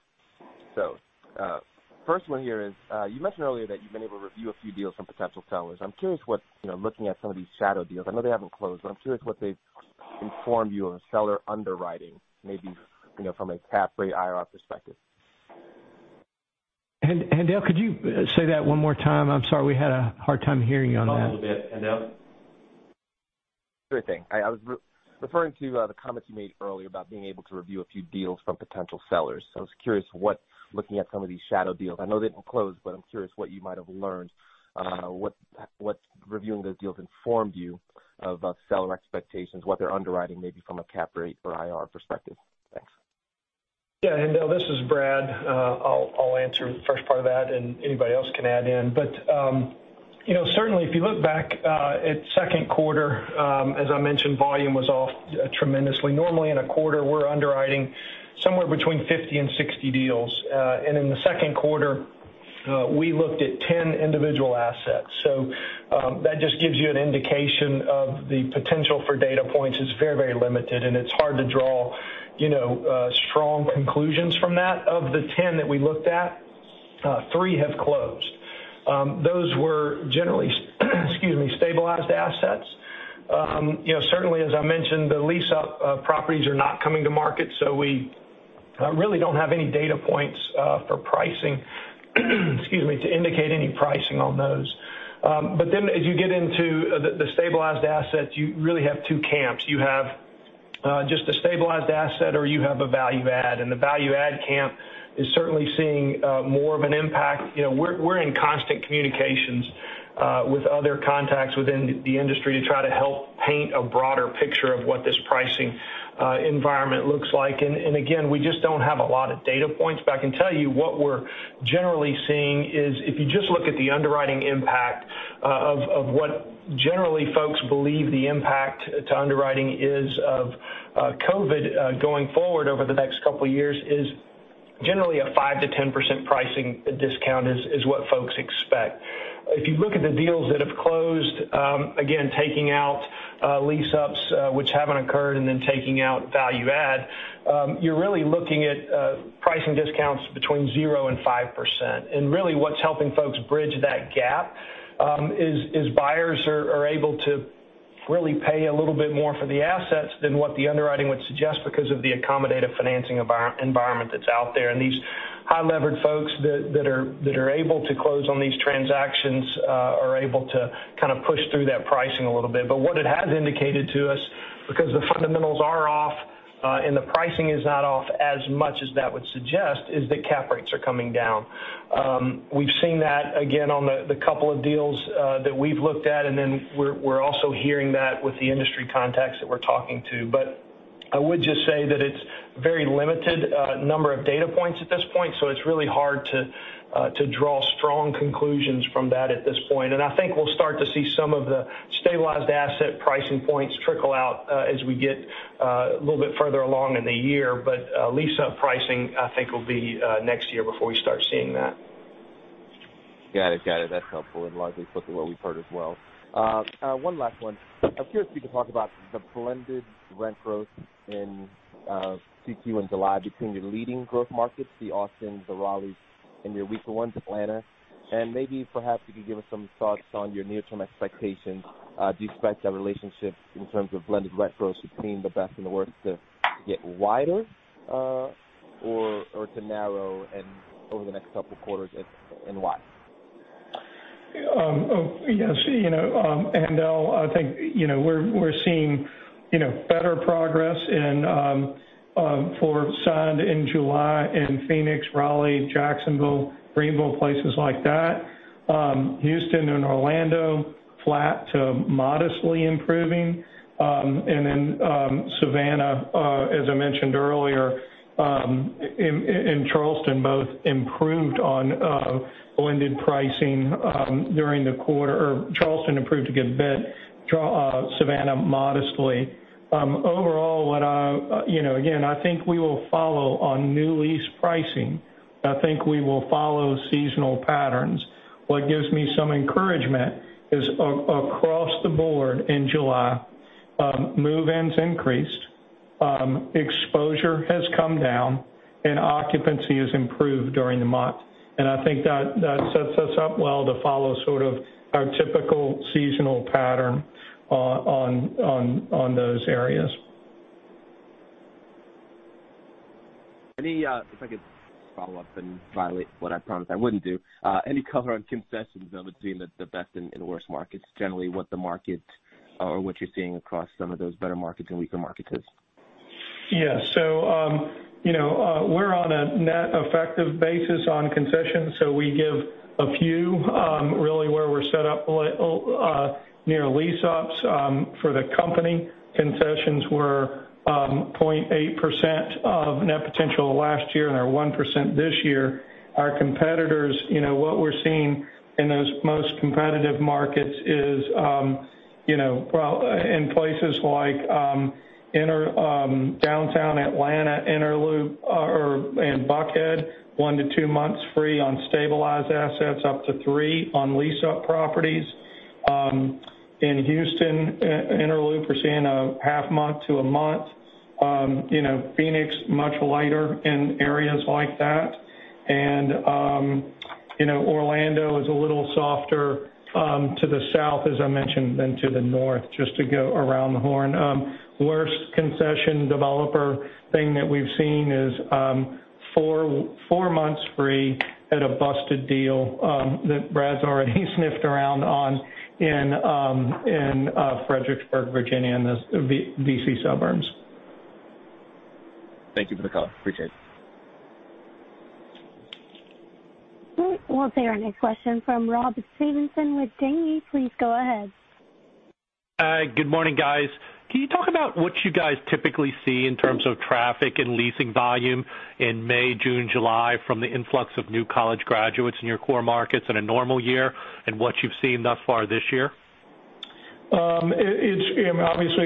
First one here is, you mentioned earlier that you've been able to review a few deals from potential sellers. I'm curious what, looking at some of these shadow deals, I know they haven't closed, but I'm curious what they've informed you of seller underwriting, maybe from a cap rate IRR perspective. Haendel, could you say that one more time? I'm sorry, we had a hard time hearing you on that. You broke a little bit, Haendel. Sure thing. I was referring to the comments you made earlier about being able to review a few deals from potential sellers. I was curious, looking at some of these shadow deals. I know they didn't close, but I'm curious what you might have learned. What reviewing those deals informed you of seller expectations, what their underwriting may be from a cap rate or IRR perspective. Thanks. Yeah. Haendel, this is Brad. I'll answer the first part of that, and anybody else can add in. Certainly if you look back at second quarter, as I mentioned, volume was off tremendously. Normally in a quarter, we're underwriting somewhere between 50 and 60 deals. In the second quarter We looked at 10 individual assets. That just gives you an indication of the potential for data points. It's very limited, and it's hard to draw strong conclusions from that. Of the 10 that we looked at, three have closed. Those were generally excuse me, stabilized assets. Certainly, as I mentioned, the lease-up properties are not coming to market, we really don't have any data points for pricing, excuse me, to indicate any pricing on those. As you get into the stabilized assets, you really have two camps. You have just a stabilized asset, or you have a value add, the value add camp is certainly seeing more of an impact. We're in constant communications with other contacts within the industry to try to help paint a broader picture of what this pricing environment looks like. Again, we just don't have a lot of data points. I can tell you what we're generally seeing is if you just look at the underwriting impact of what generally folks believe the impact to underwriting is of COVID going forward over the next couple of years, is generally a 5%-10% pricing discount is what folks expect. If you look at the deals that have closed, again, taking out lease-ups which haven't occurred, and then taking out value add, you're really looking at pricing discounts between 0% and 5%. Really what's helping folks bridge that gap is buyers are able to really pay a little bit more for the assets than what the underwriting would suggest because of the accommodative financing environment that's out there. These high-levered folks that are able to close on these transactions are able to kind of push through that pricing a little bit. What it has indicated to us, because the fundamentals are off and the pricing is not off as much as that would suggest, is that cap rates are coming down. We've seen that again on the couple of deals that we've looked at, and then we're also hearing that with the industry contacts that we're talking to. I would just say that it's very limited number of data points at this point, so it's really hard to draw strong conclusions from that at this point. I think we'll start to see some of the stabilized asset pricing points trickle out as we get a little bit further along in the year. Lease-up pricing, I think, will be next year before we start seeing that. Got it. That's helpful and largely consistent with what we've heard as well. One last one. I'm curious if you could talk about the blended rent growth in 2Q and July between your leading growth markets, the Austins, the Raleighs, and your weaker ones, Atlanta, and maybe perhaps if you could give us some thoughts on your near-term expectations. Do you expect that relationship in terms of blended rent growth between the best and the worst to get wider or to narrow over the next couple of quarters, and why? Yes, I think we're seeing better progress for signed in July in Phoenix, Raleigh, Jacksonville, Greenville, places like that. Houston and Orlando, flat to modestly improving. Then Savannah, as I mentioned earlier, and Charleston both improved on blended pricing during the quarter. Charleston improved a good bit, Savannah modestly. Overall, again, I think we will follow on new lease pricing. I think we will follow seasonal patterns. What gives me some encouragement is across the board in July, move-ins increased, exposure has come down, and occupancy has improved during the month. I think that sets us up well to follow sort of our typical seasonal pattern on those areas. If I could follow up and violate what I promised I wouldn't do. Any color on concessions between the best and worst markets, generally what the market or what you're seeing across some of those better markets and weaker markets is? Yeah. We're on a net effective basis on concessions, so we give a few really where we're set up near lease-ups. For the company, concessions were 0.8% of net potential last year and are 1% this year. Our competitors, what we're seeing in those most competitive markets is in places like Downtown Atlanta, Inner Loop, or in Buckhead, one-two months free on stabilized assets, up to three on lease-up properties. In Houston, Inner Loop, we're seeing half month to one month. Phoenix, much lighter in areas like that. Orlando is a little softer to the south, as I mentioned, than to the north, just to go around the horn. Worst concession developer thing that we've seen is four months free at a busted deal that Brad's already sniffed around on in Fredericksburg, Virginia, in the D.C. suburbs. Thank you for the call. Appreciate it. We'll take our next question from Robert Stevenson with Janney. Please go ahead. Good morning, guys. Can you talk about what you guys typically see in terms of traffic and leasing volume in May, June, July from the influx of new college graduates in your core markets in a normal year and what you've seen thus far this year? Obviously,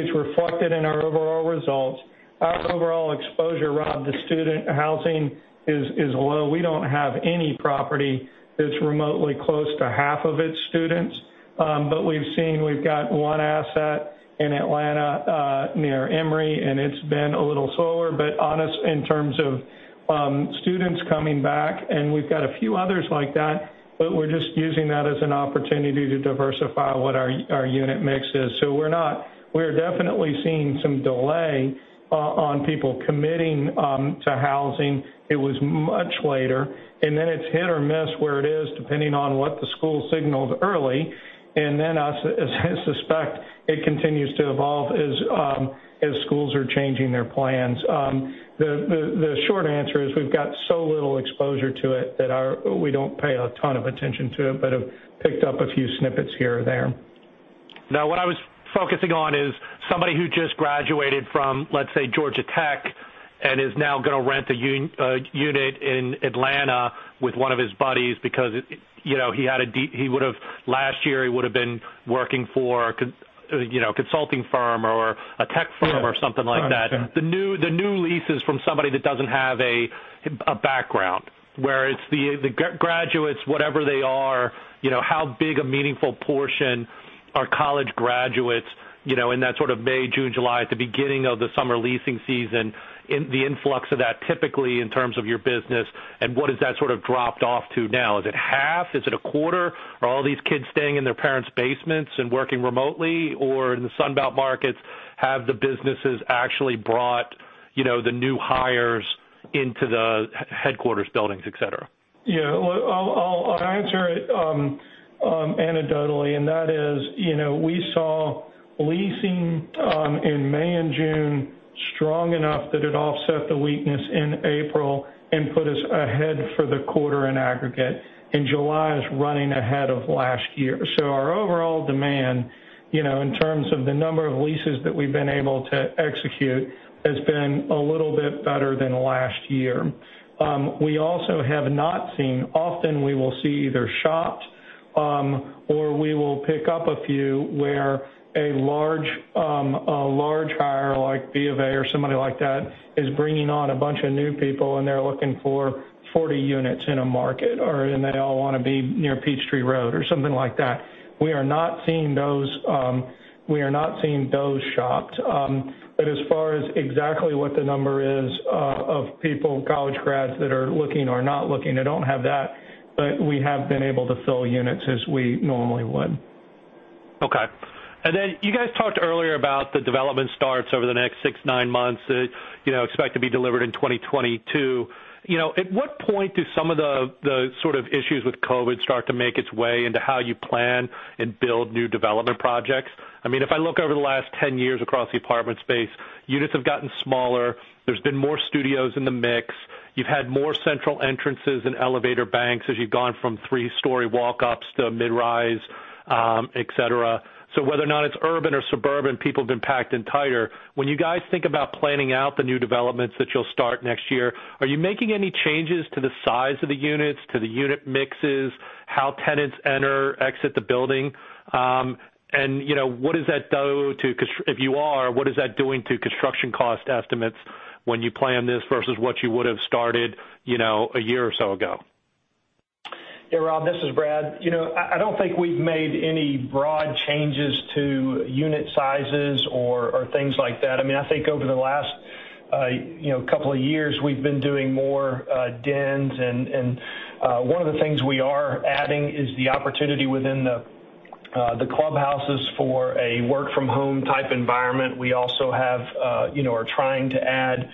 it's reflected in our overall results. Our overall exposure, Rob, to student housing is low. We don't have any property that's remotely close to half of its students. We've got one asset in Atlanta near Emory, and it's been a little slower, but honest in terms of students coming back, and we've got a few others like that. We're just using that as an opportunity to diversify what our unit mix is. We're definitely seeing some delay on people committing to housing. It was much later. It's hit or miss where it is, depending on what the school signaled early. As I suspect, it continues to evolve as schools are changing their plans. The short answer is we've got so little exposure to it that we don't pay a ton of attention to it, but have picked up a few snippets here or there. What I was focusing on is somebody who just graduated from, let's say, Georgia Tech and is now going to rent a unit in Atlanta with one of his buddies because last year, he would've been working for a consulting firm or a tech firm or something like that. Got it. The new leases from somebody that doesn't have a background. Where it's the graduates, whatever they are, how big a meaningful portion are college graduates in that sort of May, June, July at the beginning of the summer leasing season, the influx of that typically in terms of your business, and what has that sort of dropped off to now? Is it half? Is it a quarter? Are all these kids staying in their parents' basements and working remotely? Or in the Sun Belt markets, have the businesses actually brought the new hires into the headquarters buildings, et cetera? Yeah. Well, I'll answer it anecdotally, and that is, we saw leasing in May and June strong enough that it offset the weakness in April and put us ahead for the quarter in aggregate, and July is running ahead of last year. Our overall demand, in terms of the number of leases that we've been able to execute, has been a little bit better than last year. We also have not seen Often, we will see either shopped, or we will pick up a few where a large hire, like BofA or somebody like that, is bringing on a bunch of new people, and they're looking for 40 units in a market, and they all want to be near Peachtree Road or something like that. We are not seeing those shopped. As far as exactly what the number is of people, college grads that are looking or not looking, I don't have that, but we have been able to fill units as we normally would. Okay. Then you guys talked earlier about the development starts over the next six, nine months that expect to be delivered in 2022. At what point do some of the sort of issues with COVID start to make its way into how you plan and build new development projects? If I look over the last 10 years across the apartment space, units have gotten smaller. There's been more studios in the mix. You've had more central entrances and elevator banks as you've gone from three-story walk-ups to mid-rise, et cetera. Whether or not it's urban or suburban, people have been packed in tighter. When you guys think about planning out the new developments that you'll start next year, are you making any changes to the size of the units, to the unit mixes, how tenants enter, exit the building? If you are, what is that doing to construction cost estimates when you plan this versus what you would've started a year or so ago? Yeah, Rob, this is Brad. I don't think we've made any broad changes to unit sizes or things like that. I think over the last couple of years, we've been doing more dens, and one of the things we are adding is the opportunity within the clubhouses for a work-from-home type environment. We also are trying to add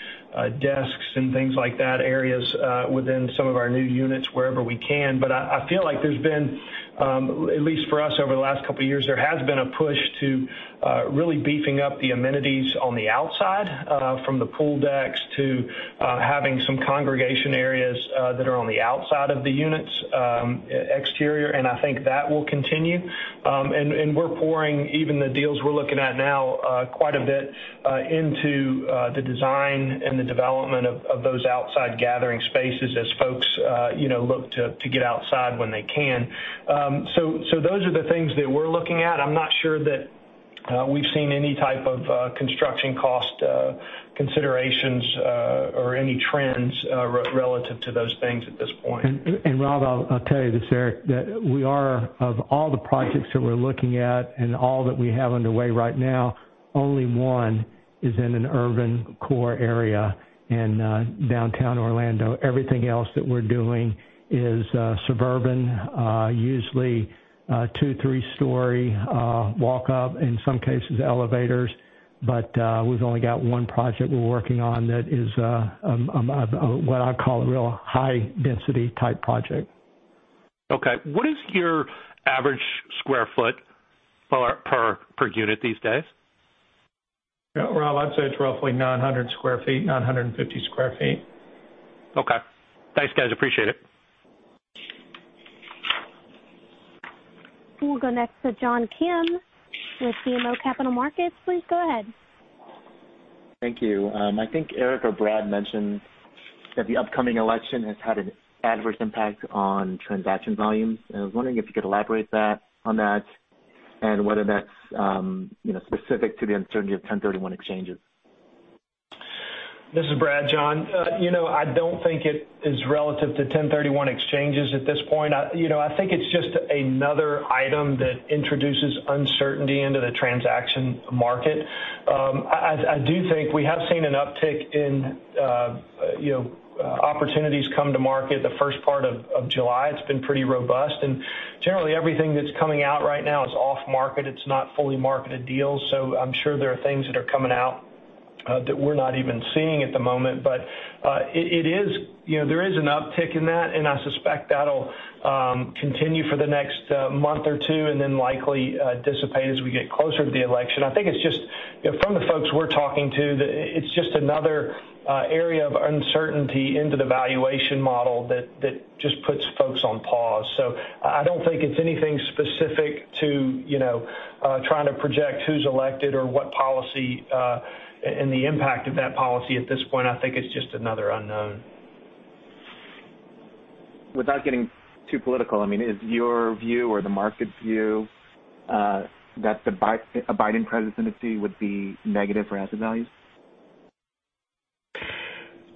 desks and things like that, areas within some of our new units wherever we can. I feel like there's been, at least for us over the last couple of years, there has been a push to really beefing up the amenities on the outside, from the pool decks to having some congregation areas that are on the outside of the units, exterior, and I think that will continue. We're pouring, even the deals we're looking at now, quite a bit into the design and the development of those outside gathering spaces as folks look to get outside when they can. Those are the things that we're looking at. I'm not sure that we've seen any type of construction cost considerations, or any trends relative to those things at this point. Rob, I'll tell you this, that of all the projects that we're looking at and all that we have underway right now, only one is in an urban core area in downtown Orlando. Everything else that we're doing is suburban, usually two, three-story walk-up, in some cases, elevators. We've only got one project we're working on that is what I call a real high-density type project. Okay. What is your average square foot per unit these days? Rob, I'd say it's roughly 900 sq ft, 950 sq ft. Okay. Thanks, guys, appreciate it. We'll go next to John Kim with BMO Capital Markets. Please go ahead. Thank you. I think Eric or Brad mentioned that the upcoming election has had an adverse impact on transaction volumes. I was wondering if you could elaborate on that and whether that's specific to the uncertainty of 1031 exchanges. This is Brad, John. I don't think it is relative to 1031 exchanges at this point. I think it's just another item that introduces uncertainty into the transaction market. I do think we have seen an uptick in opportunities come to market the first part of July. Generally everything that's coming out right now is off market. It's not fully marketed deals. I'm sure there are things that are coming out that we're not even seeing at the moment. There is an uptick in that, and I suspect that'll continue for the next month or two and then likely dissipate as we get closer to the election. I think from the folks we're talking to, it's just another area of uncertainty into the valuation model that just puts folks on pause. I don't think it's anything specific to trying to project who's elected or what policy and the impact of that policy at this point. I think it's just another unknown. Without getting too political, is your view or the market's view that a Biden presidency would be negative for asset values?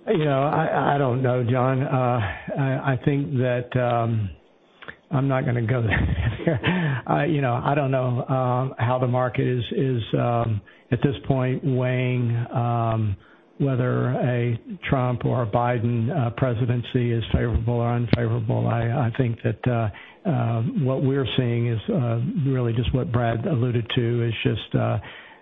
I don't know, John. I think that I'm not going to go there. I don't know how the market is at this point weighing whether a Trump or a Biden presidency is favorable or unfavorable. I think that what we're seeing is really just what Brad alluded to, is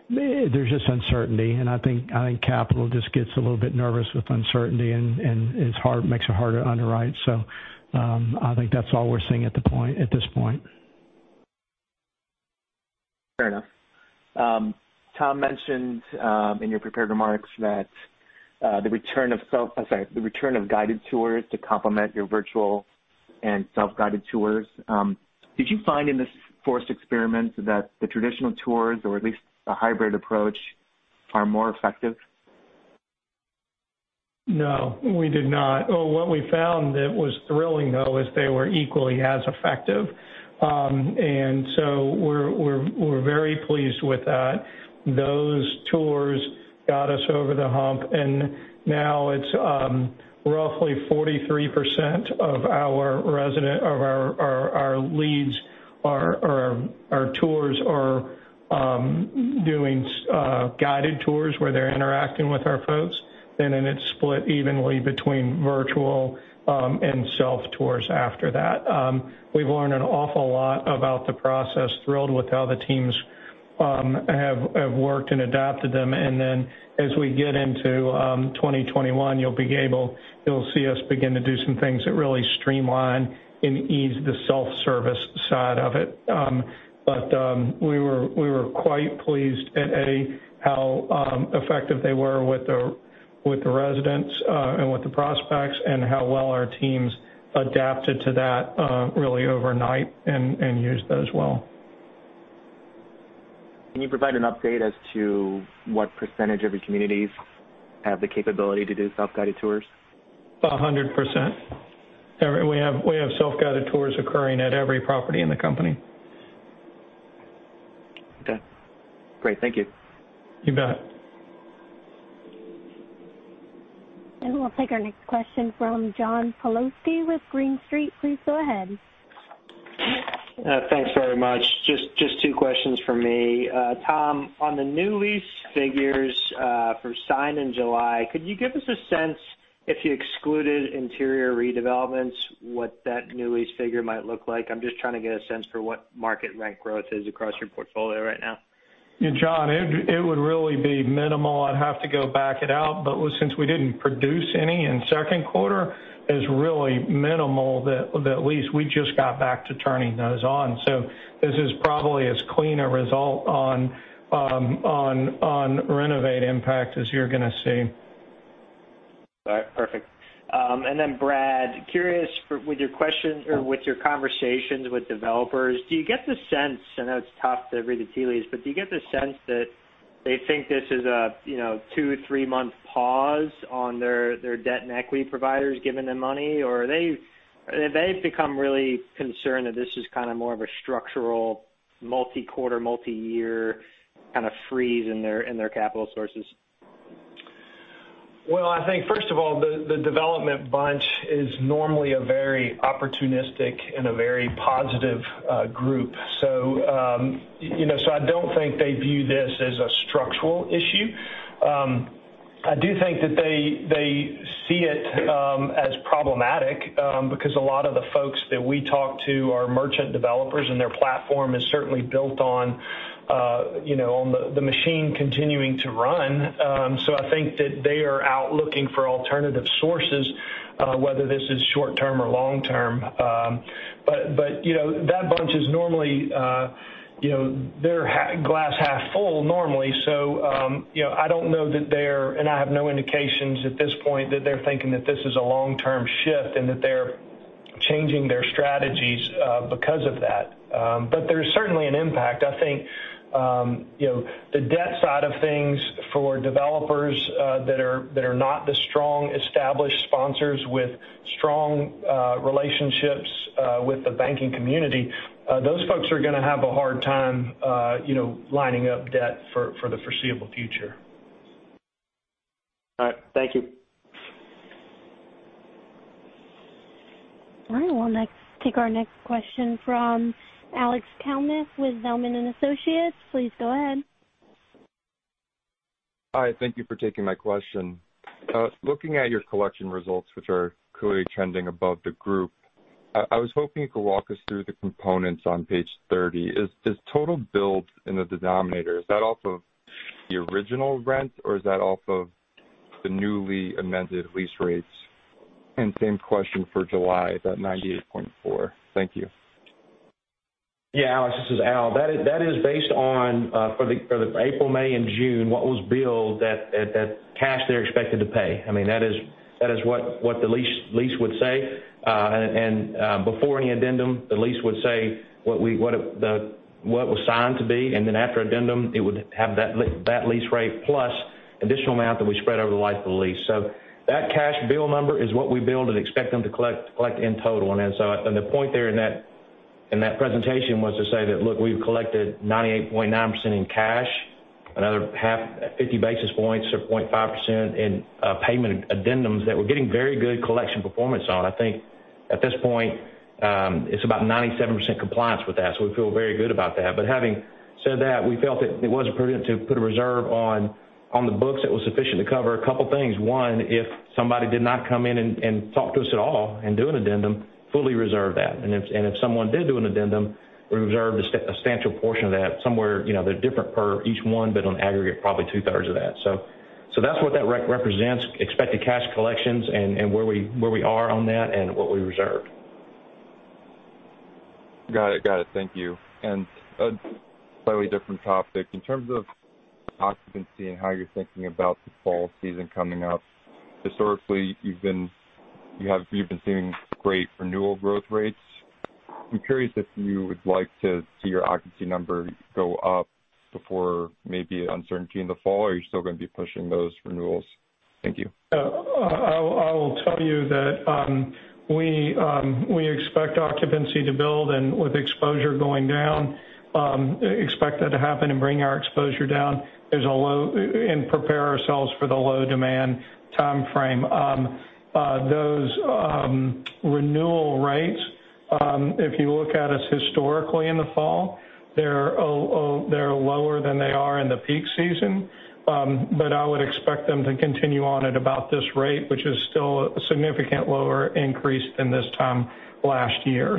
there's just uncertainty, and I think capital just gets a little bit nervous with uncertainty, and it makes it harder to underwrite. I think that's all we're seeing at this point. Fair enough. Tom mentioned in your prepared remarks the return of guided tours to complement your virtual and self-guided tours. Did you find in this forced experiment that the traditional tours, or at least the hybrid approach, are more effective? No, we did not. What we found that was thrilling, though, is they were equally as effective. We're very pleased with that. Those tours got us over the hump, and now it's roughly 43% of our leads or our tours are doing guided tours where they're interacting with our folks. It's split evenly between virtual and self-tours after that. We've learned an awful lot about the process, thrilled with how the teams have worked and adapted them. As we get into 2021, you'll see us begin to do some things that really streamline and ease the self-service side of it. We were quite pleased at how effective they were with the residents and with the prospects, and how well our teams adapted to that really overnight and used that as well. Can you provide an update as to what percentage of your communities have the capability to do self-guided tours? 100%. We have self-guided tours occurring at every property in the company. Okay, great. Thank you. You bet. We'll take our next question from John Pawlowski with Green Street. Please go ahead. Thanks very much. Just two questions from me. Tom, on the new lease figures for sign in July, could you give us a sense if you excluded interior redevelopments, what that new lease figure might look like? I'm just trying to get a sense for what market rent growth is across your portfolio right now. John, it would really be minimal. I'd have to go back it out. Since we didn't produce any in second quarter, it's really minimal that lease. We just got back to turning those on. This is probably as clean a result on renovate impact as you're going to see. All right, perfect. Brad, curious with your conversations with developers. I know it's tough to read the tea leaves, do you get the sense that they think this is a two, three-month pause on their debt and equity providers giving them money? Have they become really concerned that this is kind of more of a structural multi-quarter, multi-year kind of freeze in their capital sources? Well, I think first of all, the development bunch is normally a very opportunistic and a very positive group. I don't think they view this as a structural issue. I do think that they see it as problematic, because a lot of the folks that we talk to are merchant developers, and their platform is certainly built on the machine continuing to run. I think that they are out looking for alternative sources, whether this is short-term or long-term. That bunch is normally glass half full normally. I don't know that they're, and I have no indications at this point that they're thinking that this is a long-term shift and that they're changing their strategies because of that. There's certainly an impact. I think the debt side of things for developers that are not the strong established sponsors with strong relationships with the banking community, those folks are going to have a hard time lining up debt for the foreseeable future. All right. Thank you. All right. We'll next take our next question from Alex Kalmus with Zelman & Associates. Please go ahead. Hi, thank you for taking my question. Looking at your collection results, which are clearly trending above the group, I was hoping you could walk us through the components on page 30. Is total billed in the denominator, is that off of the original rent, or is that off of the newly amended lease rates? Same question for July, that 98.4%. Thank you. Yeah, Alex, this is Al. That is based on, for the April, May, and June, what was billed that cash they're expected to pay. That is what the lease would say. Before any addendum, the lease would say what it was signed to be, and then after addendum, it would have that lease rate plus additional amount that we spread over the life of the lease. That cash bill number is what we billed and expect them to collect in total. The point there in that presentation was to say that, look, we've collected 98.9% in cash, another 50 basis points or 0.5% in payment addendums that we're getting very good collection performance on. I think at this point, it's about 97% compliance with that, so we feel very good about that. Having said that, we felt it was prudent to put a reserve on the books that was sufficient to cover a couple things. One, if somebody did not come in and talk to us at all and do an addendum, fully reserve that. If someone did do an addendum, we reserved a substantial portion of that somewhere, they're different per each one, but on aggregate, probably two-thirds of that. That's what that represents, expected cash collections and where we are on that and what we reserved. Got it. Thank you. A slightly different topic. In terms of occupancy and how you're thinking about the fall season coming up, historically, you've been seeing great renewal growth rates. I'm curious if you would like to see your occupancy number go up before maybe uncertainty in the fall, or are you still going to be pushing those renewals? Thank you. I will tell you that we expect occupancy to build and with exposure going down, expect that to happen and bring our exposure down and prepare ourselves for the low demand timeframe. Those renewal rates, if you look at us historically in the fall, they're lower than they are in the peak season. I would expect them to continue on at about this rate, which is still a significant lower increase than this time last year.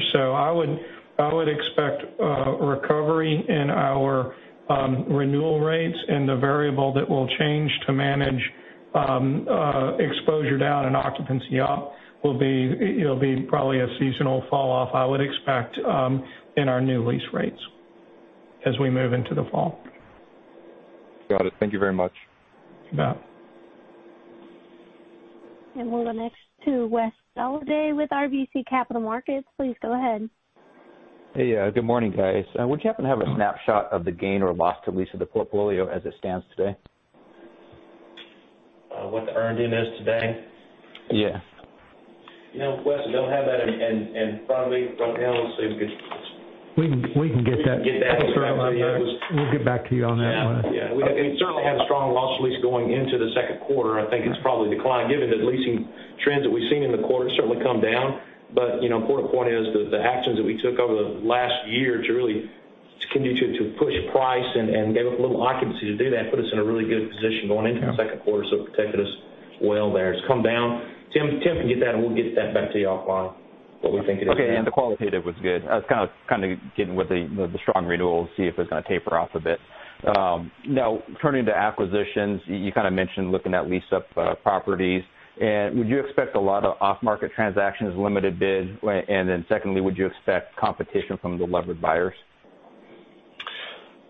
I would expect a recovery in our renewal rates and the variable that will change to manage exposure down and occupancy up will be probably a seasonal fall off, I would expect, in our new lease rates as we move into the fall. Got it. Thank you very much. You bet. We'll go next to Wes Golladay with RBC Capital Markets. Please go ahead. Hey. Good morning, guys. Would you happen to have a snapshot of the gain or loss to lease of the portfolio as it stands today? What the earned in is today? Yeah. Wes, don't have that in front of me right now. We can get that. We can get that. We'll get back to you on that one. Yeah. We certainly had a strong loss to lease going into the second quarter. I think it's probably declined given the leasing trends that we've seen in the quarter certainly come down. Important point is the actions that we took over the last year to really continue to push price and gave up a little occupancy to do that, put us in a really good position going into the second quarter, so it protected us well there. It's come down. Tim can get that. We'll get that back to you offline, what we think it is now. Okay. The qualitative was good. I was kind of getting with the strong renewals, see if it's going to taper off a bit. Turning to acquisitions, you kind of mentioned looking at lease-up properties, would you expect a lot of off-market transactions, limited bid? Secondly, would you expect competition from the levered buyers?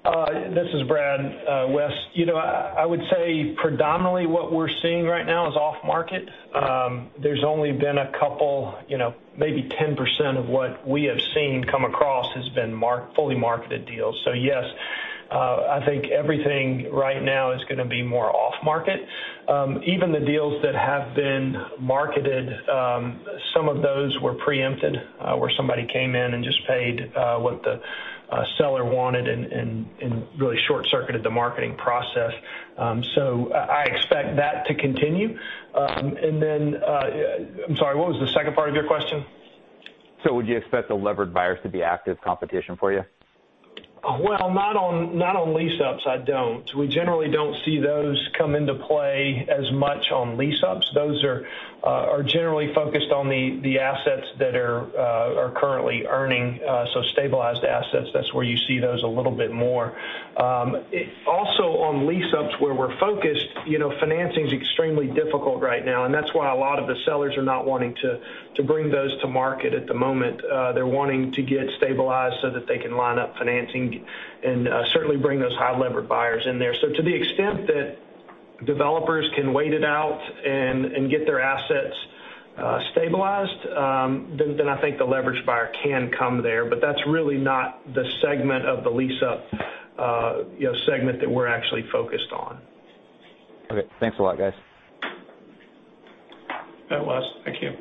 This is Brad. Wes, I would say predominantly what we're seeing right now is off market. There's only been a couple, maybe 10% of what we have seen come across has been fully marketed deals. Yes, I think everything right now is going to be more off market. Even the deals that have been marketed, some of those were preempted, where somebody came in and just paid what the seller wanted and really short-circuited the marketing process. I expect that to continue. I'm sorry, what was the second part of your question? Would you expect the levered buyers to be active competition for you? Well, not on lease ups, I don't. We generally don't see those come into play as much on lease ups. Those are generally focused on the assets that are currently earning, so stabilized assets, that's where you see those a little bit more. Also on lease ups where we're focused, financing's extremely difficult right now, and that's why a lot of the sellers are not wanting to bring those to market at the moment. They're wanting to get stabilized so that they can line up financing and certainly bring those high levered buyers in there. To the extent that developers can wait it out and get their assets stabilized, then I think the leverage buyer can come there. That's really not the segment of the lease up segment that we're actually focused on. Okay. Thanks a lot, guys. Bye, Wes. Thank you.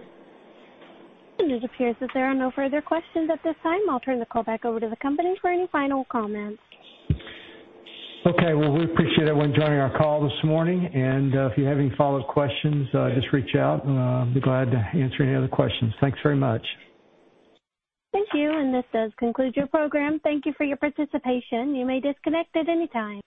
It appears that there are no further questions at this time. I'll turn the call back over to the company for any final comments. Okay. Well, we appreciate everyone joining our call this morning, and if you have any follow-up questions, just reach out and I'll be glad to answer any other questions. Thanks very much. Thank you, and this does conclude your program. Thank you for your participation. You may disconnect at any time.